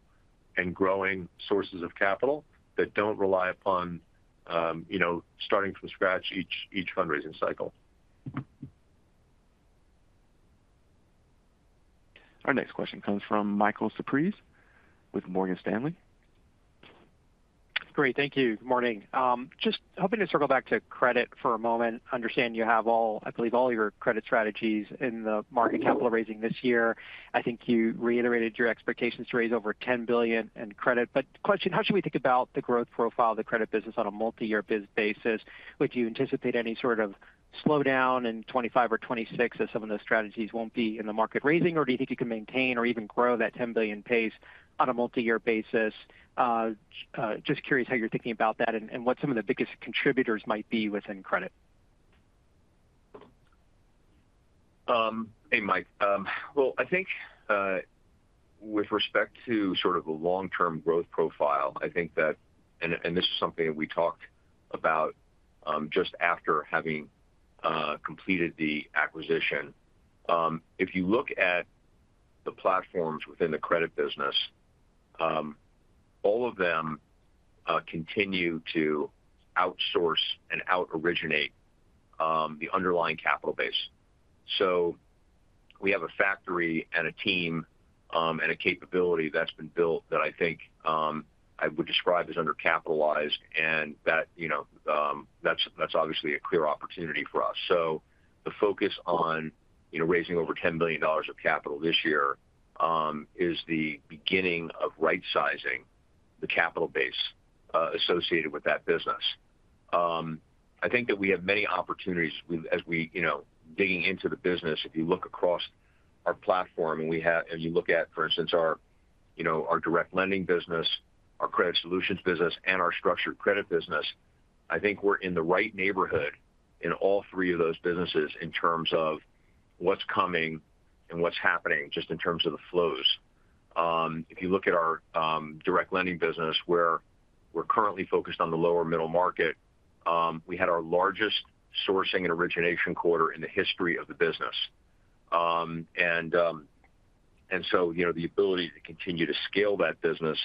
[SPEAKER 4] and growing sources of capital that don't rely upon starting from scratch each fundraising cycle.
[SPEAKER 1] Our next question comes from Michael Cyprys with Morgan Stanley.
[SPEAKER 9] Great. Thank you. Good morning. Just hoping to circle back to credit for a moment. Understand you have, I believe, all your credit strategies in the market capital raising this year. I think you reiterated your expectations to raise over $10,000,000,000 in credit. But question, how should we think about the growth profile of the credit business on a multi-year basis? Would you anticipate any sort of slowdown in 2025 or 2026 as some of those strategies won't be in the market raising? Or do you think you can maintain or even grow that $10,000,000,000 pace on a multi-year basis? Just curious how you're thinking about that and what some of the biggest contributors might be within credit.
[SPEAKER 3] Hey, Mike. Well, I think with respect to sort of the long-term growth profile, I think that and this is something that we talked about just after having completed the acquisition. If you look at the platforms within the credit business, all of them continue to out-source and out-originate the underlying capital base. So we have a factory and a team and a capability that's been built that I think I would describe as undercapitalized, and that's obviously a clear opportunity for us. So the focus on raising over $10,000,000,000 of capital this year is the beginning of right-sizing the capital base associated with that business. I think that we have many opportunities as we dig into the business. If you look across our platform and you look at, for instance, our Direct Lending business, our Credit Solutions business, and our Structured Credit business, I think we're in the right neighborhood in all three of those businesses in terms of what's coming and what's happening just in terms of the flows. If you look at our Direct Lending business, where we're currently focused on the lower middle market, we had our largest sourcing and origination quarter in the history of the business. And so the ability to continue to scale that business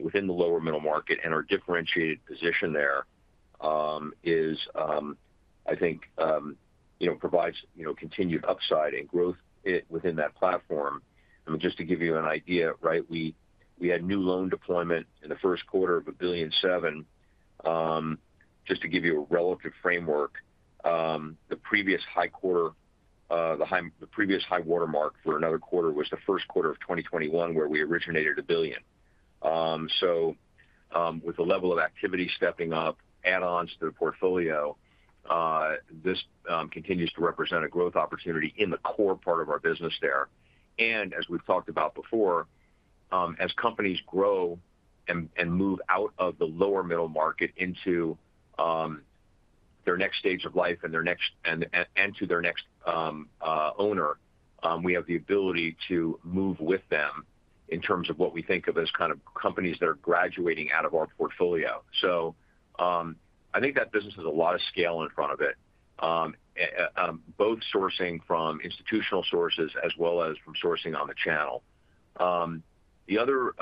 [SPEAKER 3] within the lower middle market and our differentiated position there is, I think, provides continued upside and growth within that platform. I mean, just to give you an idea, right, we had new loan deployment in the first quarter of $1,700,000,000. Just to give you a relative framework, the previous high quarter, the previous high-water mark for another quarter, was the first quarter of 2021 where we originated $1,000,000,000. So with the level of activity stepping up, add-ons to the portfolio, this continues to represent a growth opportunity in the core part of our business there. And as we've talked about before, as companies grow and move out of the lower middle market into their next stage of life and to their next owner, we have the ability to move with them in terms of what we think of as kind of companies that are graduating out of our portfolio. So I think that business has a lot of scale in front of it, both sourcing from institutional sources as well as from sourcing on the channel. The other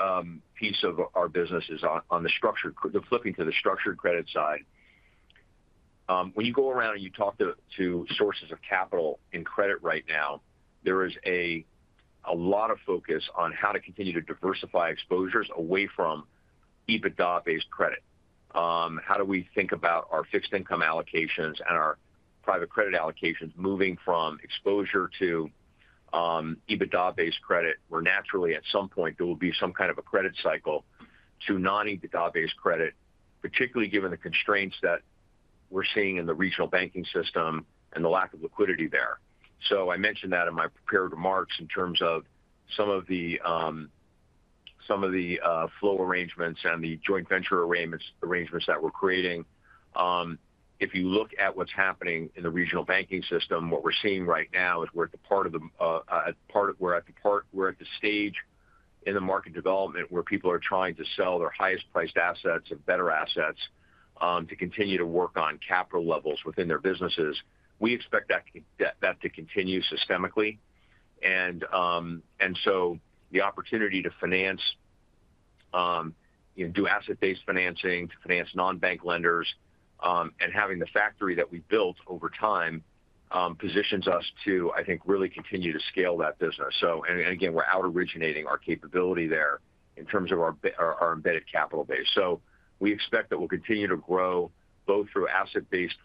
[SPEAKER 3] piece of our business is on the structured shifting to the Structured Credit side. When you go around and you talk to sources of capital in credit right now, there is a lot of focus on how to continue to diversify exposures away from EBITDA-based credit. How do we think about our fixed income allocations and our private credit allocations moving from exposure to EBITDA-based credit where naturally, at some point, there will be some kind of a credit cycle to non-EBITDA-based credit, particularly given the constraints that we're seeing in the regional banking system and the lack of liquidity there? So I mentioned that in my prepared remarks in terms of some of the flow arrangements and the joint venture arrangements that we're creating. If you look at what's happening in the regional banking system, what we're seeing right now is we're at the stage in the market development where people are trying to sell their highest-priced assets and better assets to continue to work on capital levels within their businesses. We expect that to continue systemically. And so the opportunity to finance, do asset-based financing to finance non-bank lenders, and having the factory that we built over time positions us to, I think, really continue to scale that business. And again, we're out-originating our capability there in terms of our embedded capital base. So we expect that we'll continue to grow both through asset-based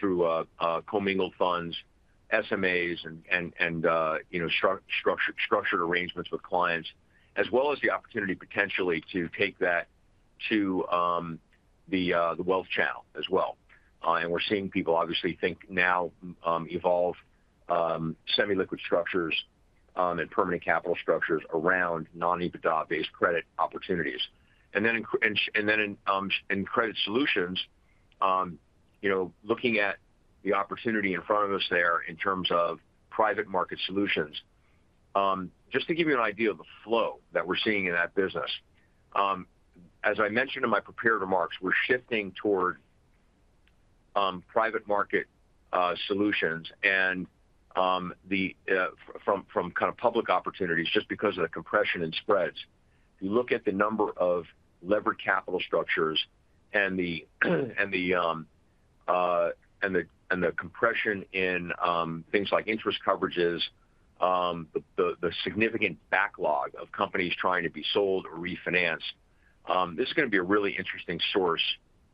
[SPEAKER 3] through commingled funds, SMAs, and structured arrangements with clients, as well as the opportunity potentially to take that to the wealth channel as well. We're seeing people obviously think now evolve semi-liquid structures and permanent capital structures around non-EBITDA-based credit opportunities. And then in Credit Solutions, looking at the opportunity in front of us there in terms of private market solutions, just to give you an idea of the flow that we're seeing in that business, as I mentioned in my prepared remarks, we're shifting toward private market solutions from kind of public opportunities just because of the compression in spreads. If you look at the number of leveraged capital structures and the compression in things like interest coverages, the significant backlog of companies trying to be sold or refinanced, this is going to be a really interesting source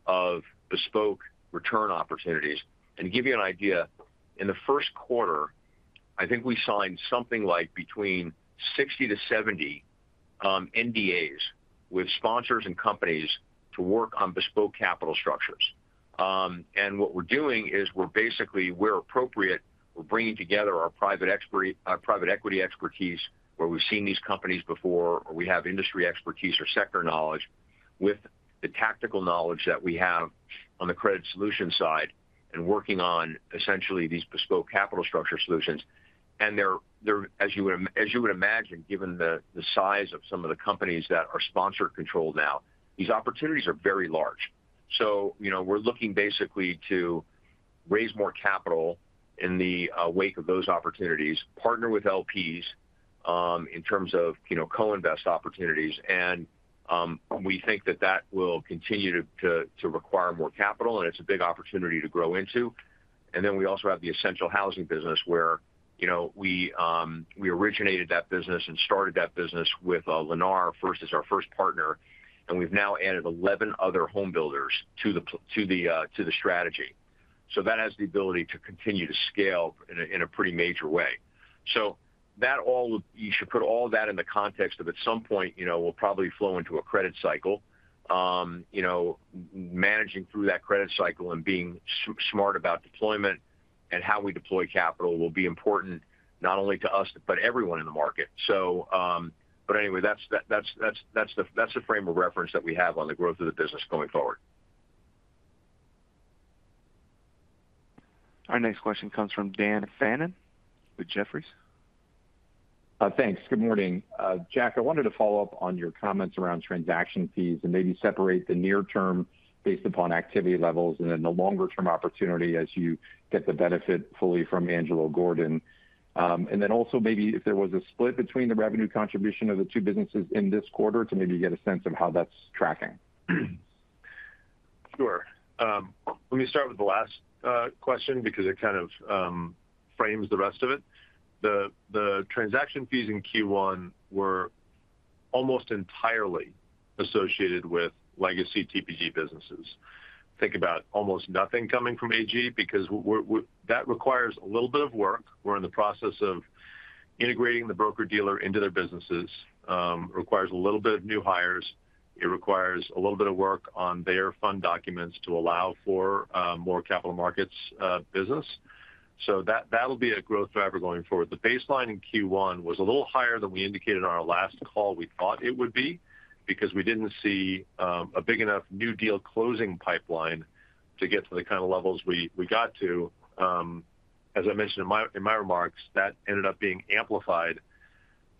[SPEAKER 3] of bespoke return opportunities. To give you an idea, in the first quarter, I think we signed something like between 60-70 NDAs with sponsors and companies to work on bespoke capital structures. What we're doing is we're basically, where appropriate, we're bringing together our private equity expertise where we've seen these companies before or we have industry expertise or sector knowledge with the tactical knowledge that we have on the credit solution side and working on essentially these bespoke capital structure solutions. As you would imagine, given the size of some of the companies that are sponsor-controlled now, these opportunities are very large. We're looking basically to raise more capital in the wake of those opportunities, partner with LPs in terms of co-invest opportunities. We think that that will continue to require more capital, and it's a big opportunity to grow into. We also have the Essential Housing business where we originated that business and started that business with Lennar first as our first partner. We've now added 11 other homebuilders to the strategy. That has the ability to continue to scale in a pretty major way. You should put all that in the context of at some point, we'll probably flow into a credit cycle. Managing through that credit cycle and being smart about deployment and how we deploy capital will be important not only to us but everyone in the market. Anyway, that's the frame of reference that we have on the growth of the business going forward.
[SPEAKER 1] Our next question comes from Dan Fannon with Jefferies.
[SPEAKER 8] Thanks. Good morning, Jack. I wanted to follow up on your comments around transaction fees and maybe separate the near-term based upon activity levels and then the longer-term opportunity as you get the benefit fully from Angelo Gordon. And then also maybe if there was a split between the revenue contribution of the two businesses in this quarter to maybe get a sense of how that's tracking.
[SPEAKER 4] Sure. Let me start with the last question because it kind of frames the rest of it. The transaction fees in Q1 were almost entirely associated with legacy TPG businesses. Think about almost nothing coming from AG because that requires a little bit of work. We're in the process of integrating the broker-dealer into their businesses. It requires a little bit of new hires. It requires a little bit of work on their fund documents to allow for more capital markets business. So that'll be a growth driver going forward. The baseline in Q1 was a little higher than we indicated on our last call we thought it would be because we didn't see a big enough new deal closing pipeline to get to the kind of levels we got to. As I mentioned in my remarks, that ended up being amplified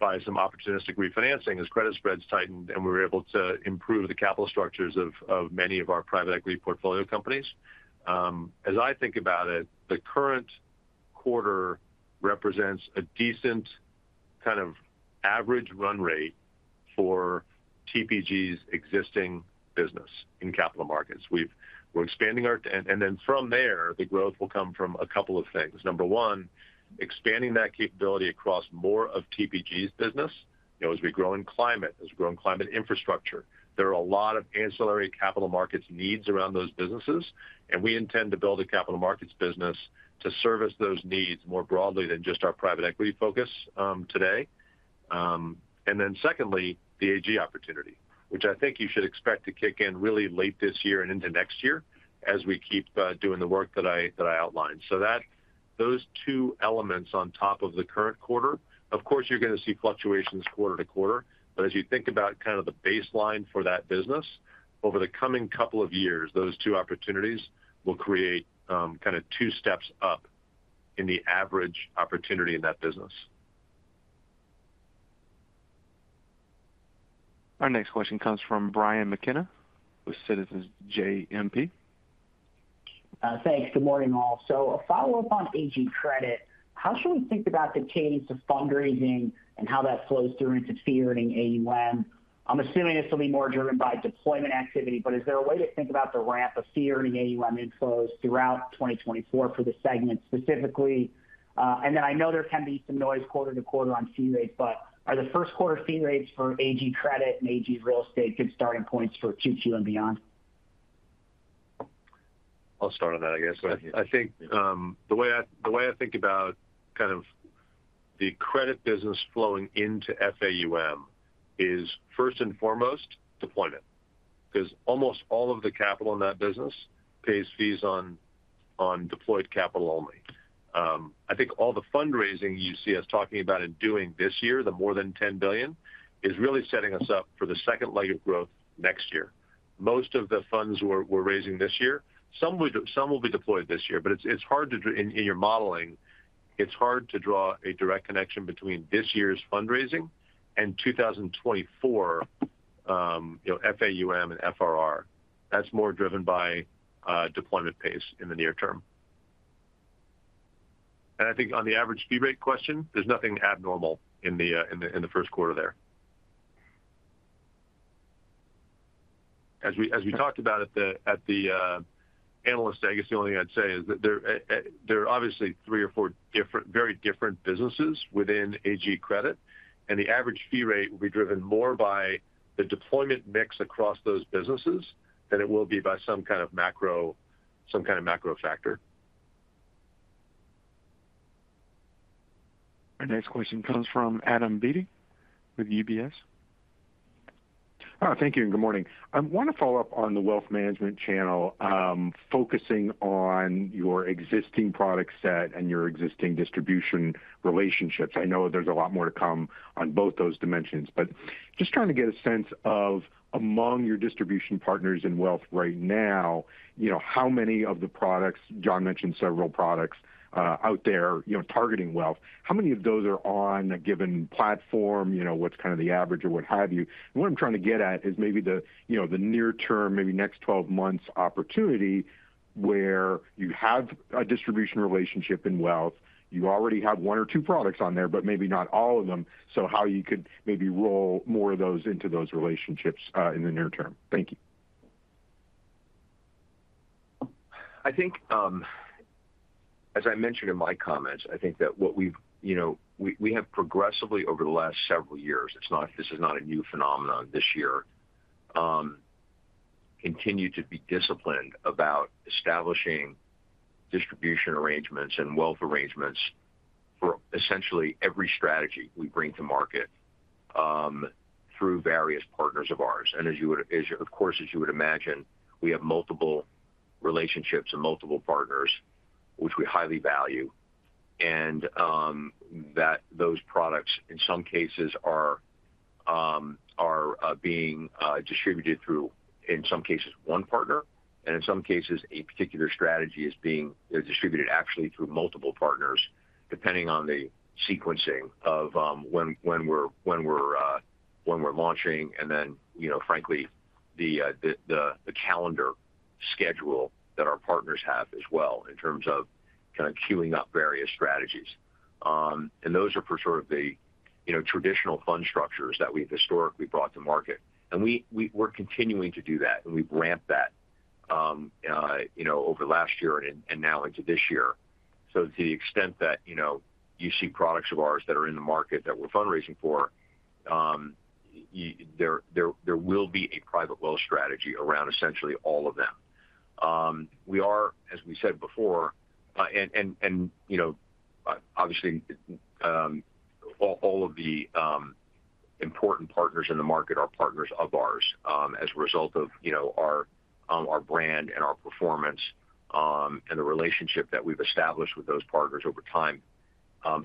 [SPEAKER 4] by some opportunistic refinancing as credit spreads tightened and we were able to improve the capital structures of many of our private equity portfolio companies. As I think about it, the current quarter represents a decent kind of average run rate for TPG's existing business in capital markets. We're expanding our and then from there, the growth will come from a couple of things. Number one, expanding that capability across more of TPG's business as we grow in climate, as we grow in climate infrastructure. There are a lot of ancillary capital markets needs around those businesses, and we intend to build a capital markets business to service those needs more broadly than just our private equity focus today. And then secondly, the AG opportunity, which I think you should expect to kick in really late this year and into next year as we keep doing the work that I outlined. So those two elements on top of the current quarter, of course, you're going to see fluctuations quarter-to-quarter. But as you think about kind of the baseline for that business, over the coming couple of years, those two opportunities will create kind of two steps up in the average opportunity in that business.
[SPEAKER 1] Our next question comes from Brian McKenna with Citizens JMP.
[SPEAKER 10] Thanks. Good morning, all. So a follow-up on AG Credit. How should we think about the cadence of fundraising and how that flows through into Fee-Earning AUM? I'm assuming this will be more driven by deployment activity, but is there a way to think about the ramp of Fee-Earning AUM inflows throughout 2024 for the segment specifically? And then I know there can be some noise quarter to quarter on fee rates, but are the first-quarter fee rates for AG Credit and AG Real Estate good starting points for 2Q and beyond?
[SPEAKER 4] I'll start on that, I guess. I think the way I think about kind of the credit business flowing into FAUM is first and foremost deployment because almost all of the capital in that business pays fees on deployed capital only. I think all the fundraising you see us talking about and doing this year, the more than $10,000,000,000, is really setting us up for the second leg of growth next year. Most of the funds we're raising this year, some will be deployed this year. But in your modeling, it's hard to draw a direct connection between this year's fundraising and 2024 FAUM and FRR. That's more driven by deployment pace in the near term. And I think on the average fee rate question, there's nothing abnormal in the first quarter there. As we talked about at the analysts, I guess the only thing I'd say is that there are obviously three or four very different businesses within AG credit. The average fee rate will be driven more by the deployment mix across those businesses than it will be by some kind of macro factor.
[SPEAKER 1] Our next question comes from Adam Beatty with UBS.
[SPEAKER 11] All right. Thank you and good morning. I want to follow up on the wealth management channel focusing on your existing product set and your existing distribution relationships. I know there's a lot more to come on both those dimensions, but just trying to get a sense of among your distribution partners in wealth right now, how many of the products Jon mentioned several products out there targeting wealth, how many of those are on a given platform, what's kind of the average, or what have you? What I'm trying to get at is maybe the near-term, maybe next 12 months opportunity where you have a distribution relationship in wealth, you already have one or two products on there, but maybe not all of them, so how you could maybe roll more of those into those relationships in the near term. Thank you.
[SPEAKER 3] I think as I mentioned in my comments, I think that what we have progressively over the last several years - this is not a new phenomenon this year - continued to be disciplined about establishing distribution arrangements and wealth arrangements for essentially every strategy we bring to market through various partners of ours. And of course, as you would imagine, we have multiple relationships and multiple partners, which we highly value, and that those products, in some cases, are being distributed through, in some cases, one partner. And in some cases, a particular strategy is being distributed actually through multiple partners depending on the sequencing of when we're launching and then, frankly, the calendar schedule that our partners have as well in terms of kind of queuing up various strategies. And those are for sort of the traditional fund structures that we've historically brought to market. We're continuing to do that, and we've ramped that over the last year and now into this year. To the extent that you see products of ours that are in the market that we're fundraising for, there will be a private wealth strategy around essentially all of them. We are, as we said before and obviously, all of the important partners in the market are partners of ours as a result of our brand and our performance and the relationship that we've established with those partners over time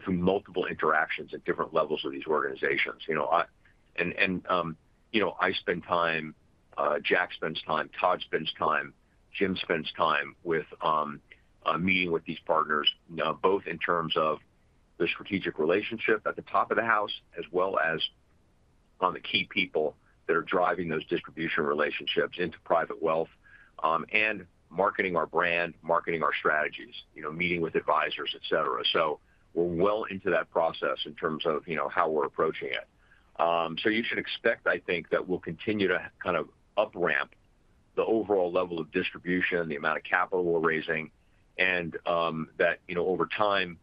[SPEAKER 3] through multiple interactions at different levels of these organizations. I spend time, Jack spends time, Todd spends time, Jim spends time meeting with these partners both in terms of the strategic relationship at the top of the house as well as on the key people that are driving those distribution relationships into private wealth and marketing our brand, marketing our strategies, meeting with advisors, etc. We're well into that process in terms of how we're approaching it. You should expect, I think, that we'll continue to kind of ramp up the overall level of distribution, the amount of capital we're raising, and that over time,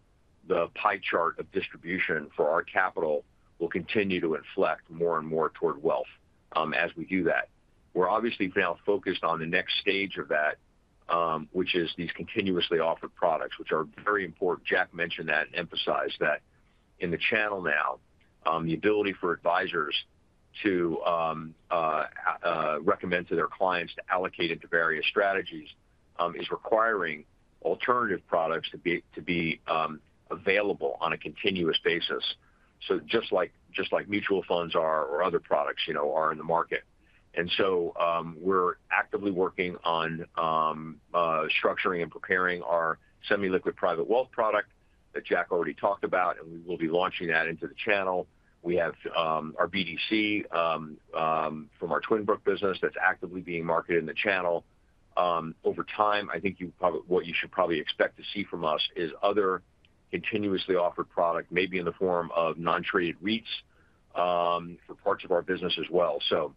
[SPEAKER 3] the pie chart of distribution for our capital will continue to inflect more and more toward wealth as we do that. We're obviously now focused on the next stage of that, which is these continuously offered products, which are very important. Jack mentioned that and emphasized that in the channel now, the ability for advisors to recommend to their clients to allocate into various strategies is requiring alternative products to be available on a continuous basis just like mutual funds are or other products are in the market. So we're actively working on structuring and preparing our semi-liquid private wealth product that Jack already talked about, and we will be launching that into the channel. We have our BDC from our Twin Brook business that's actively being marketed in the channel. Over time, I think what you should probably expect to see from us is other continuously offered products, maybe in the form of non-traded REITs for parts of our business as well. So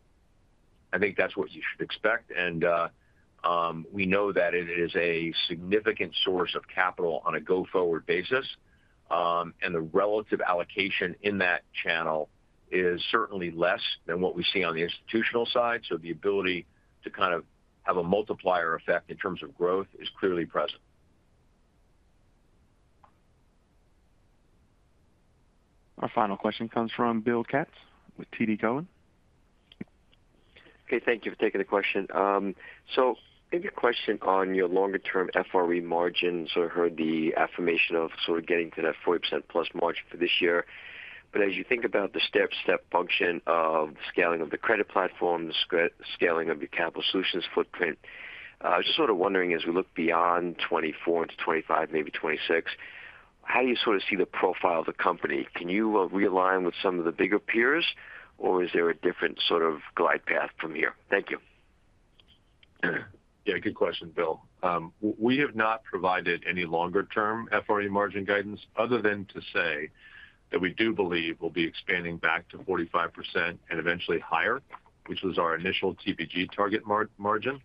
[SPEAKER 3] I think that's what you should expect. We know that it is a significant source of capital on a go-forward basis. And the relative allocation in that channel is certainly less than what we see on the institutional side. So the ability to kind of have a multiplier effect in terms of growth is clearly present.
[SPEAKER 1] Our final question comes from Bill Katz with TD Cowen.
[SPEAKER 12] Okay. Thank you for taking the question. So maybe a question on your longer-term FRE margins. I heard the affirmation of sort of getting to that 40%-plus margin for this year. But as you think about the step-by-step function of scaling of the credit platforms, scaling of your capital solutions footprint, just sort of wondering as we look beyond 2024 into 2025, maybe 2026, how do you sort of see the profile of the company? Can you realign with some of the bigger peers, or is there a different sort of glide path from here? Thank you.
[SPEAKER 4] Yeah. Good question, Bill. We have not provided any longer-term FRE margin guidance other than to say that we do believe we'll be expanding back to 45% and eventually higher, which was our initial TPG target margin.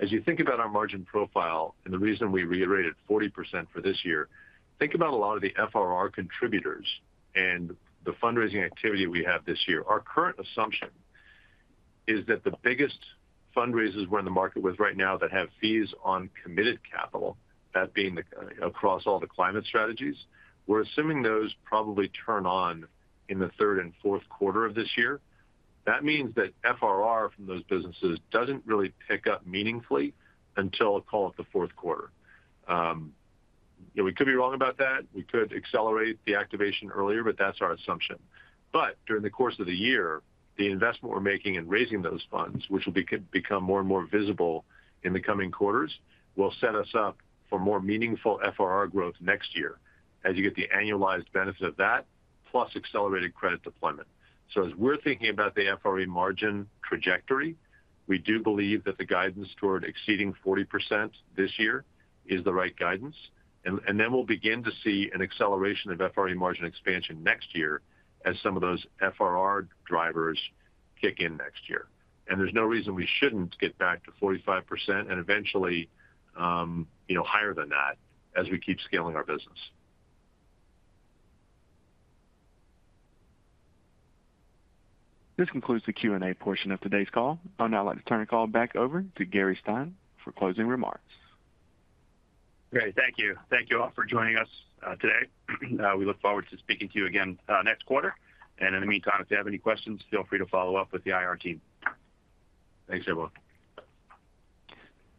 [SPEAKER 4] As you think about our margin profile and the reason we reiterated 40% for this year, think about a lot of the FRR contributors and the fundraising activity we have this year. Our current assumption is that the biggest fundraisers we're in the market with right now that have fees on committed capital, that being across all the climate strategies, we're assuming those probably turn on in the third and fourth quarter of this year. That means that FRR from those businesses doesn't really pick up meaningfully until call it the fourth quarter. We could be wrong about that. We could accelerate the activation earlier, but that's our assumption. But during the course of the year, the investment we're making in raising those funds, which will become more and more visible in the coming quarters, will set us up for more meaningful FRR growth next year as you get the annualized benefit of that plus accelerated credit deployment. So as we're thinking about the FRE margin trajectory, we do believe that the guidance toward exceeding 40% this year is the right guidance. And then we'll begin to see an acceleration of FRE margin expansion next year as some of those FRR drivers kick in next year. And there's no reason we shouldn't get back to 45% and eventually higher than that as we keep scaling our business.
[SPEAKER 1] This concludes the Q&A portion of today's call. I'll now like to turn the call back over to Gary Stein for closing remarks.
[SPEAKER 2] Great. Thank you. Thank you all for joining us today. We look forward to speaking to you again next quarter. And in the meantime, if you have any questions, feel free to follow up with the IR team.
[SPEAKER 4] Thanks, everyone.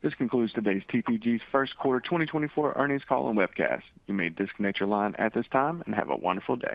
[SPEAKER 1] This concludes today's TPG's first quarter 2024 earnings call and webcast. You may disconnect your line at this time and have a wonderful day.